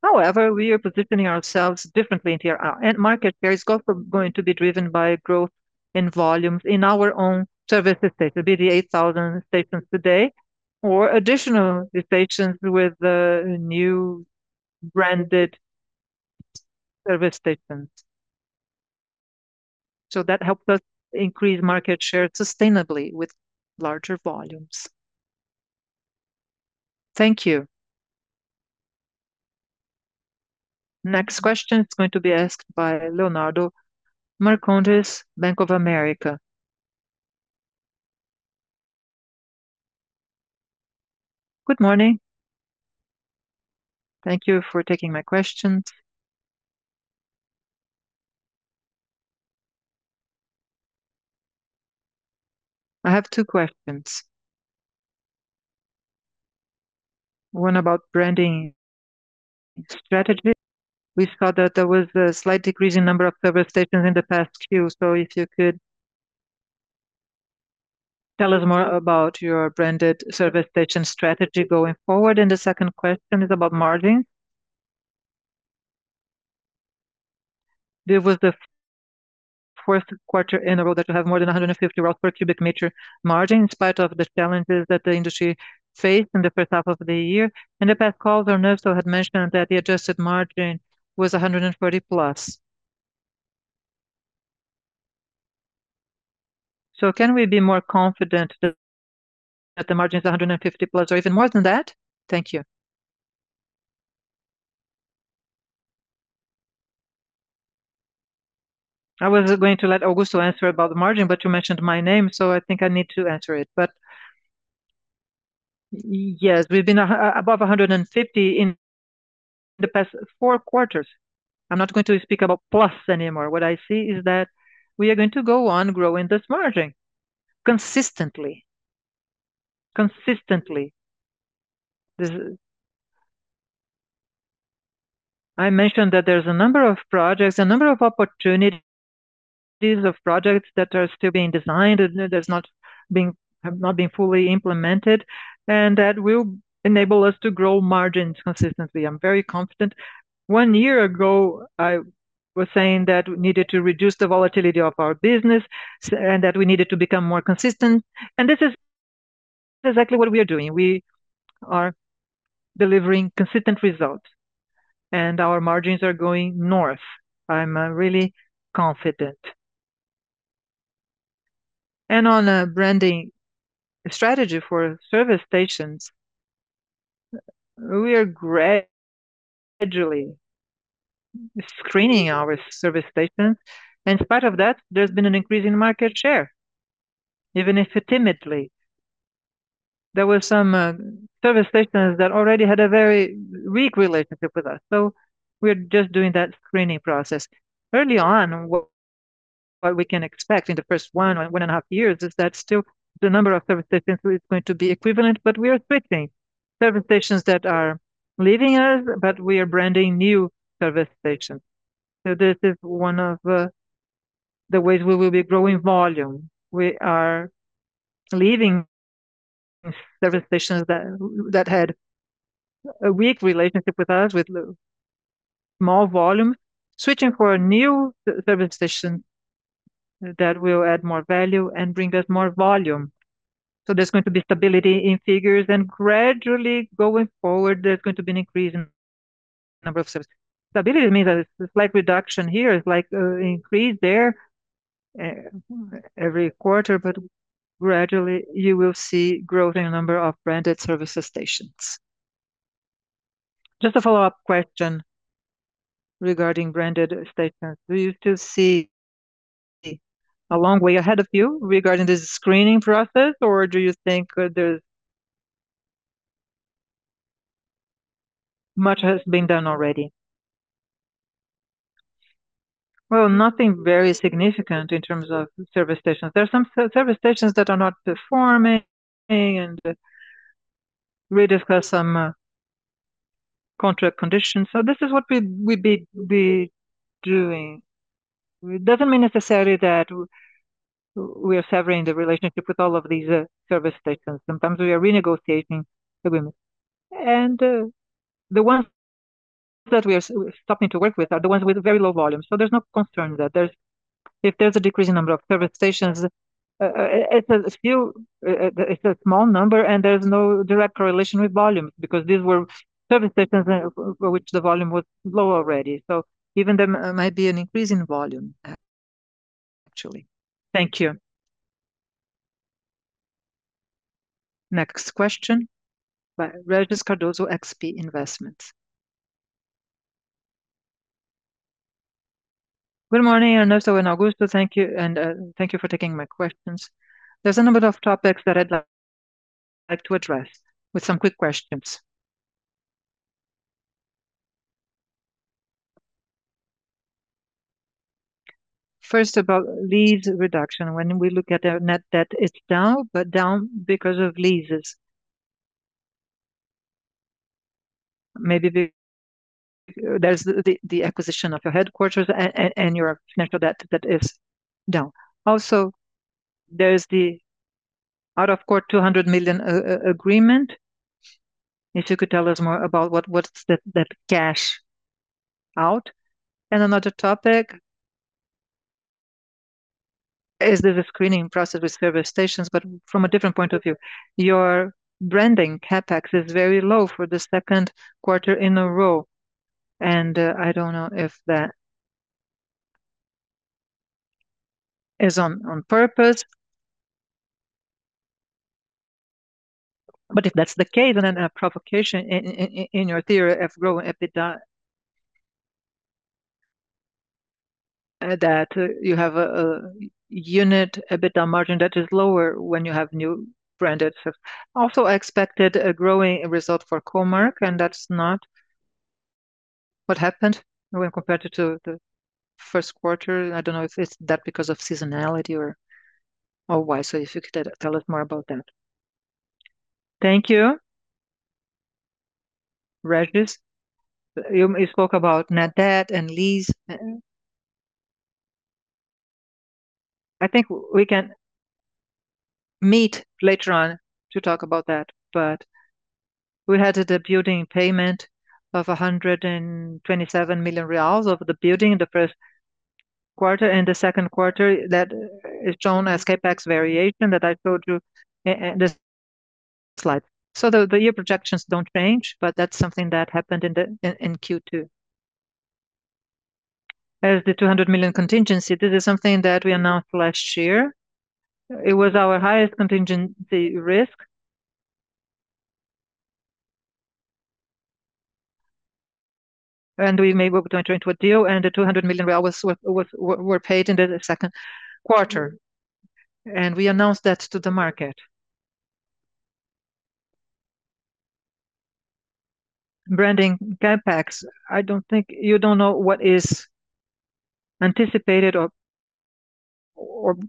However, we are positioning ourselves differently in TRR. And market share is also going to be driven by growth in volumes in our own service stations, BR 8,000 stations today, or additional stations with new branded service stations. So that helps us increase market share sustainably with larger volumes. Thank you. Next question is going to be asked by Leonardo Marcondes, Bank of America. Good morning. Thank you for taking my questions. I have two questions. One about branding strategy. We saw that there was a slight decrease in number of service stations in the past few. So if you could tell us more about your branded service station strategy going forward. And the second question is about margins. There was the fourth quarter interval that you have more than 150 reais per cubic meter margin in spite of the challenges that the industry faced in the first half of the year. In the past calls, Ernesto had mentioned that the adjusted margin was 140 plus. So can we be more confident that the margin is 150 plus or even more than that? Thank you. I was going to let Augusto answer about the margin, but you mentioned my name, so I think I need to answer it. But yes, we've been above 150 in the past four quarters. I'm not going to speak about plus anymore. What I see is that we are going to go on growing this margin consistently. I mentioned that there's a number of projects, a number of opportunities of projects that are still being designed and have not been fully implemented, and that will enable us to grow margins consistently. I'm very confident. One year ago, I was saying that we needed to reduce the volatility of our business and that we needed to become more consistent. This is exactly what we are doing. We are delivering consistent results, and our margins are going north. I'm really confident. On a branding strategy for service stations, we are gradually screening our service stations. In spite of that, there's been an increase in market share, even if it's timidly. There were some service stations that already had a very weak relationship with us. We're just doing that screening process. Early on, what we can expect in the first one and a half years is that still the number of service stations is going to be equivalent, but we are switching service stations that are leaving us, but we are branding new service stations. So this is one of the ways we will be growing volume. We are leaving service stations that had a weak relationship with us, with small volumes, switching for new service stations that will add more value and bring us more volume. So there's going to be stability in figures, and gradually going forward, there's going to be an increase in the number of service stations. Stability means that it's a slight reduction here, it's like an increase there every quarter, but gradually you will see growth in the number of branded service stations. Just a follow-up question regarding branded stations. Do you still see a long way ahead of you regarding this screening process, or do you think much has been done already? Well, nothing very significant in terms of service stations. There are some service stations that are not performing, and we discussed some contract conditions. So this is what we'd be doing. It doesn't mean necessarily that we are severing the relationship with all of these service stations. Sometimes we are renegotiating the terms. And the ones that we are stopping to work with are the ones with very low volumes. So there's no concern that if there's a decrease in the number of service stations, it's a small number, and there's no direct correlation with volumes because these were service stations for which the volume was low already. So even then there might be an increase in volume, actually. Thank you. Next question by Regis Cardoso, XP Investments. Good morning, Ernesto and Augusto. Thank you, and thank you for taking my questions. There's a number of topics that I'd like to address with some quick questions. First, about lease reduction. When we look at our net debt, it's down, but down because of leases. Maybe there's the acquisition of your headquarters and your financial debt that is down. Also, there's the out-of-court 200 million agreement. If you could tell us more about what's that cash out. And another topic is the screening process with service stations, but from a different point of view. Your branding CapEx is very low for the second quarter in a row, and I don't know if that is on purpose. But if that's the case, then a provocation in your theory of growing EBITDA, that you have a unit EBITDA margin that is lower when you have new branded services. Also, I expected a growing result for Comerc, and that's not what happened when compared to the first quarter. I don't know if it's that because of seasonality or why. So if you could tell us more about that. Thank you. Regis, you spoke about net debt and lease. I think we can meet later on to talk about that, but we had a building payment of 127 million reais over the building in the first quarter and the second quarter that is shown as CapEx variation that I showed you in this slide. So the year projections don't change, but that's something that happened in Q2. There's the 200 million contingency. This is something that we announced last year. It was our highest contingency risk, and we made a 2022 deal, and the 200 million real were paid in the second quarter. We announced that to the market. Branding CapEx, I don't think you don't know what is anticipated or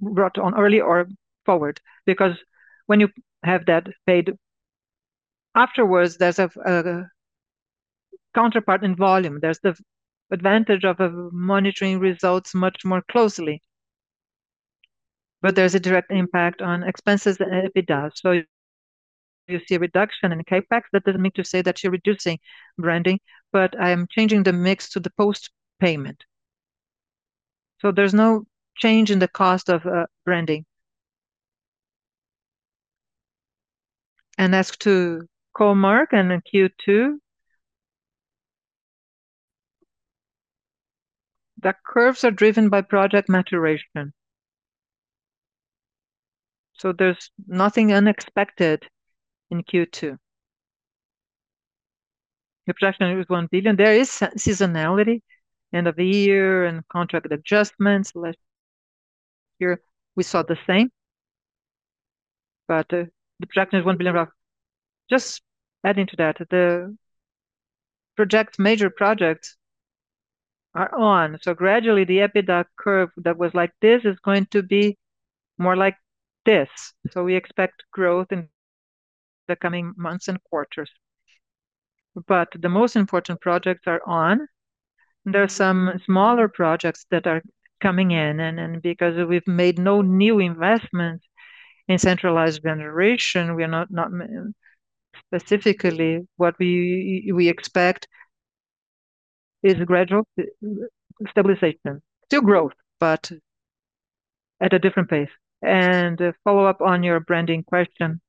brought on early or forward, because when you have that paid afterwards, there's a counterpart in volume. There's the advantage of monitoring results much more closely, but there's a direct impact on expenses an d EBITDA. You see a reduction in CapEx. That doesn't mean to say that you're reducing branding, but I am changing the mix to the post-payment. There's no change in the cost of branding. As to Comerc and Q2, the curves are driven by project maturation. There's nothing unexpected in Q2. Your projection is 1 billion. There is seasonality, end of the year and contract adjustments. We saw the same, but the projection is 1 billion. Just adding to that, the major projects are on. So gradually, the EBITDA curve that was like this is going to be more like this. We expect growth in the coming months and quarters. The most important projects are on. There are some smaller projects that are coming in. Because we've made no new investments in centralized generation, we are not specifically what we expect is gradual stabilization. Still growth, but at a different pace. Follow-up on your branding question.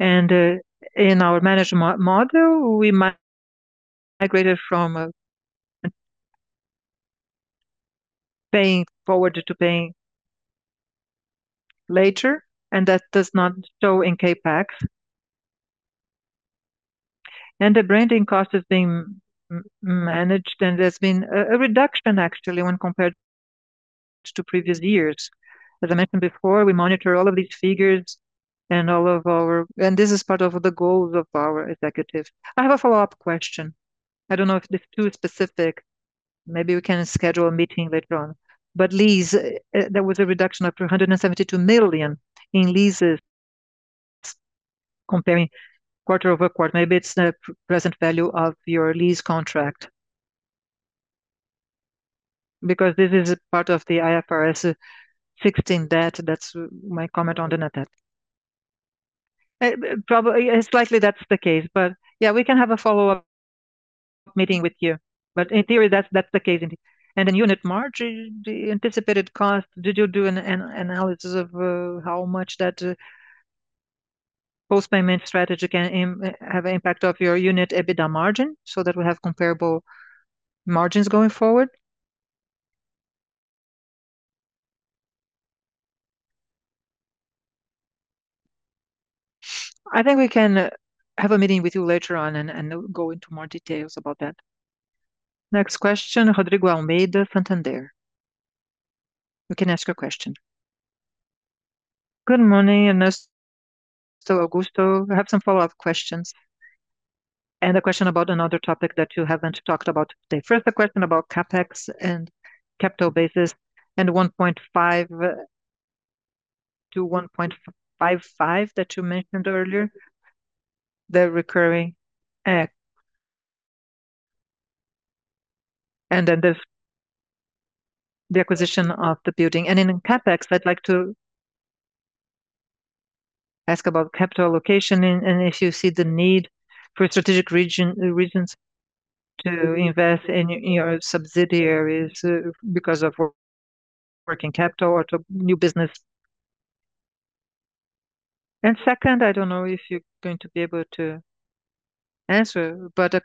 In our management model, we migrated from paying forward to paying later, and that does not show in CapEx. The branding cost has been managed, and there's been a reduction actually when compared to previous years. As I mentioned before, we monitor all of these figures and all of our and this is part of the goals of our executives. I have a follow-up question. I don't know if it's too specific. Maybe we can schedule a meeting later on. But leases, there was a reduction of 272 million in leases comparing quarter over quarter. Maybe it's the present value of your lease contract. Because this is part of the IFRS 16 debt. That's my comment on the net debt. Slightly, that's the case, but yeah, we can have a follow-up meeting with you. But in theory, that's the case indeed. And in unit margin, the anticipated cost, did you do an analysis of how much that post-payment strategy can have an impact on your unit EBITDA margin so that we have comparable margins going forward? I think we can have a meeting with you later on and go into more details about that. Next question, Rodrigo Almeida, Santander. You can ask your question. Good morning, Ernesto and Augusto. I have some follow-up questions and a question about another topic that you haven't talked about today. First, a question about CapEx and capital basis and 1.5-1.55 that you mentioned earlier, the recurring capEx, and then the acquisition of the building. And in CapEx, I'd like to ask about capital allocation and if you see the need for strategic reasons to invest in your subsidiaries because of working capital or new business. And second, I don't know if you're going to be able to answer, but a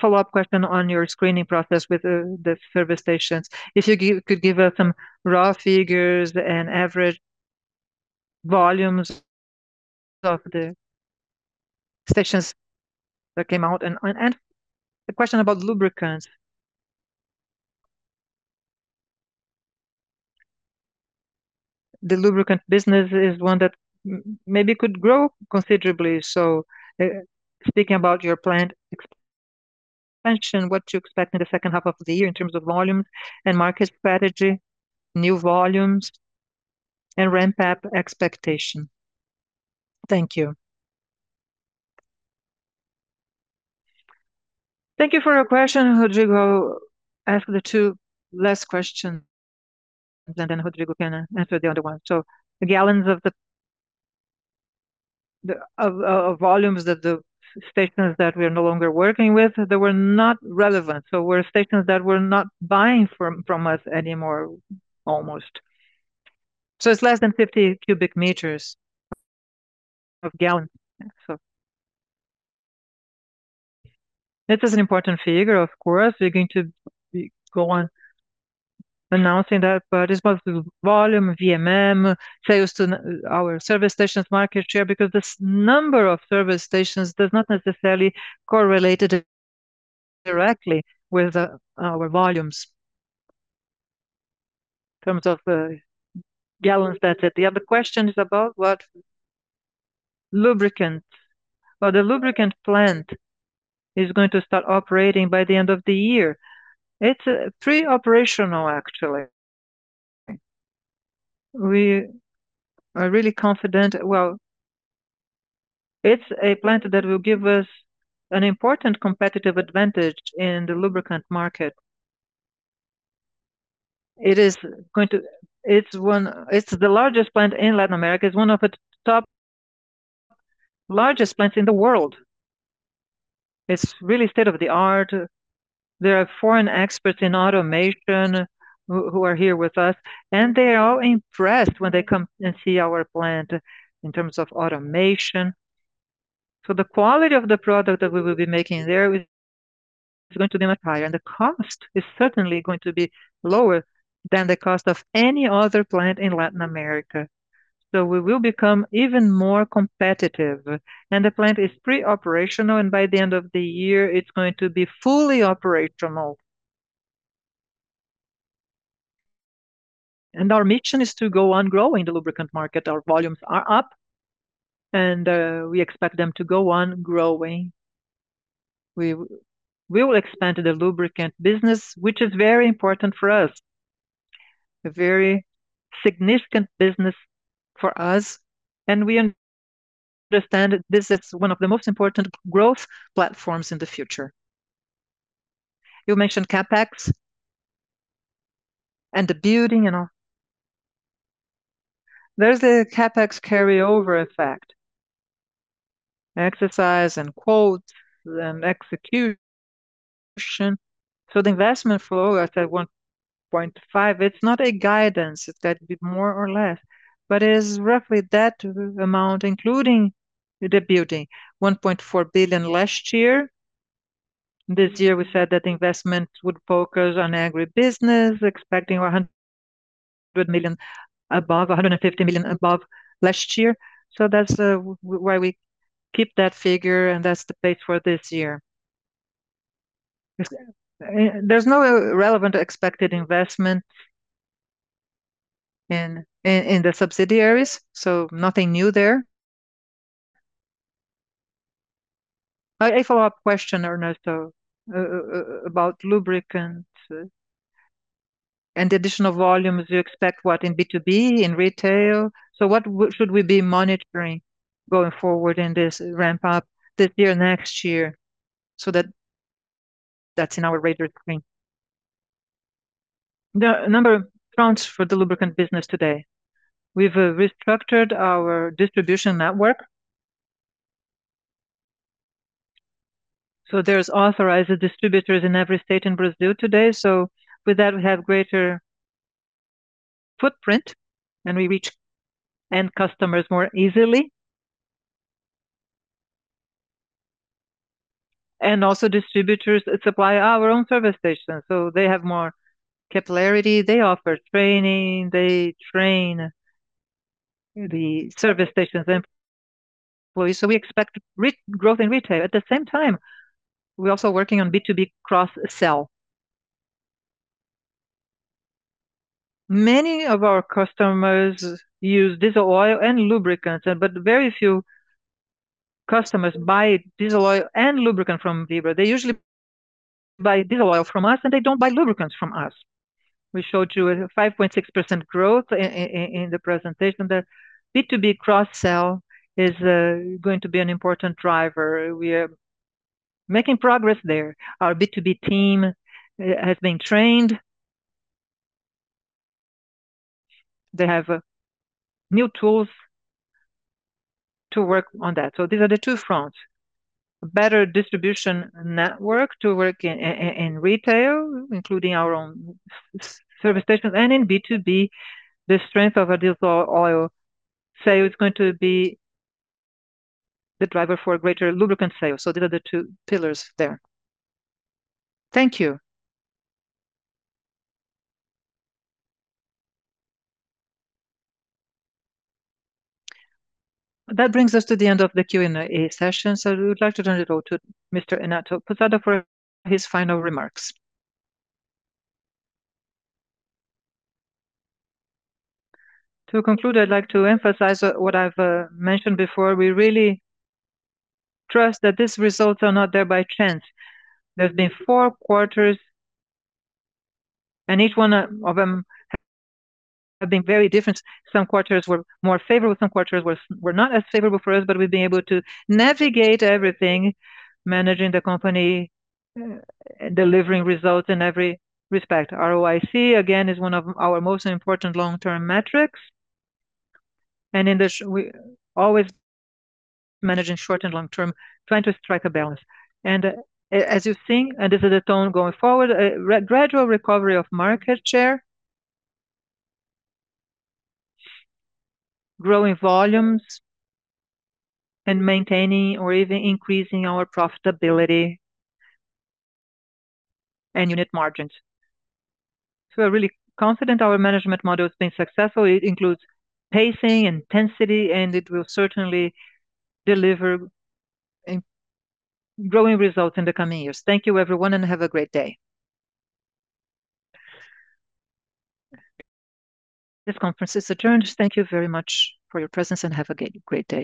follow-up question on your screening process with the service stations. If you could give us some raw figures and average volumes of the stations that came out. A question about lubricants. The lubricant business is one that maybe could grow considerably. So speaking about your planned expansion, what you expect in the second half of the year in terms of volumes and market strategy, new volumes, and ramp-up expectation? Thank you. Thank you for your question. Rodrigo, ask the two last questions, and then Rodrigo can answer the other one. So the gallons, the volumes of the stations that we are no longer working with, they were not relevant. So those were stations that were not buying from us anymore, almost. So it's less than 50 cubic meters of gallons. This is an important figure, of course. We're going to go on announcing that, but it's both volume, VMM, sales to our service stations' market share because this number of service stations does not necessarily correlate directly with our volumes in terms of gallons. That's at the end. The other question is about what lubricant. The lubricant plant is going to start operating by the end of the year. It's pre-operational, actually. We are really confident. It's a plant that will give us an important competitive advantage in the lubricant market. It's the largest plant in Latin America. It's one of the largest plants in the world. It's really state-of-the-art. There are foreign experts in automation who are here with us, and they are all impressed when they come and see our plant in terms of automation. The quality of the product that we will be making there is going to be much higher, and the cost is certainly going to be lower than the cost of any other plant in Latin America. We will become even more competitive. The plant is pre-operational, and by the end of the year, it's going to be fully operational. Our mission is to go on growing the lubricant market. Our volumes are up, and we expect them to go on growing. We will expand the lubricant business, which is very important for us, a very significant business for us. We understand this is one of the most important growth platforms in the future. You mentioned CapEx and the building. There's a CapEx carryover effect, exercise and quotes and execution. The investment flow at 1.5, it's not a guidance. It's got to be more or less, but it's roughly that amount, including the building: 1.4 billion last year. This year, we said that the investment would focus on agribusiness, expecting 100 million above, 150 million above last year. So that's why we keep that figure, and that's the pace for this year. There's no relevant expected investment in the subsidiaries, so nothing new there. A follow-up question, Ernesto, about lubricant and the additional volumes. You expect what in B2B, in retail? So what should we be monitoring going forward in this ramp-up this year and next year so that that's in our radar screen? Number of accounts for the lubricant business today. We've restructured our distribution network. So there's authorized distributors in every state in Brazil today. So with that, we have greater footprint, and we reach end customers more easily. And also distributors supply our own service stations. So they have more capillarity. They offer training. They train the service stations and employees. So we expect growth in retail. At the same time, we're also working on B2B cross-sell. Many of our customers use diesel oil and lubricants, but very few customers buy diesel oil and lubricant from Vibra. They usually buy diesel oil from us, and they don't buy lubricants from us. We showed you a 5.6% growth in the presentation that B2B cross-sell is going to be an important driver. We are making progress there. Our B2B team has been trained. They have new tools to work on that. So these are the two fronts. Better distribution network to work in retail, including our own service stations. And in B2B, the strength of our diesel oil sale is going to be the driver for greater lubricant sales. So these are the two pillars there. Thank you. That brings us to the end of the Q&A session. So we'd like to turn it over to Mr. Ernesto Pousada for his final remarks To conclude, I'd like to emphasize what I've mentioned before. We really trust that these results are not there by chance. There have been four quarters, and each one of them has been very different. Some quarters were more favorable. Some quarters were not as favorable for us, but we've been able to navigate everything, managing the company, delivering results in every respect. ROIC, again, is one of our most important long-term metrics. And always managing short and long-term, trying to strike a balance. And as you've seen, and this is the tone going forward, gradual recovery of market share, growing volumes, and maintaining or even increasing our profitability and unit margins. So we're really confident our management model has been successful. It includes pacing and intensity, and it will certainly deliver growing results in the coming years. Thank you, everyone, and have a great day. This conference is adjourned. Thank you very much for your presence, and have a great day.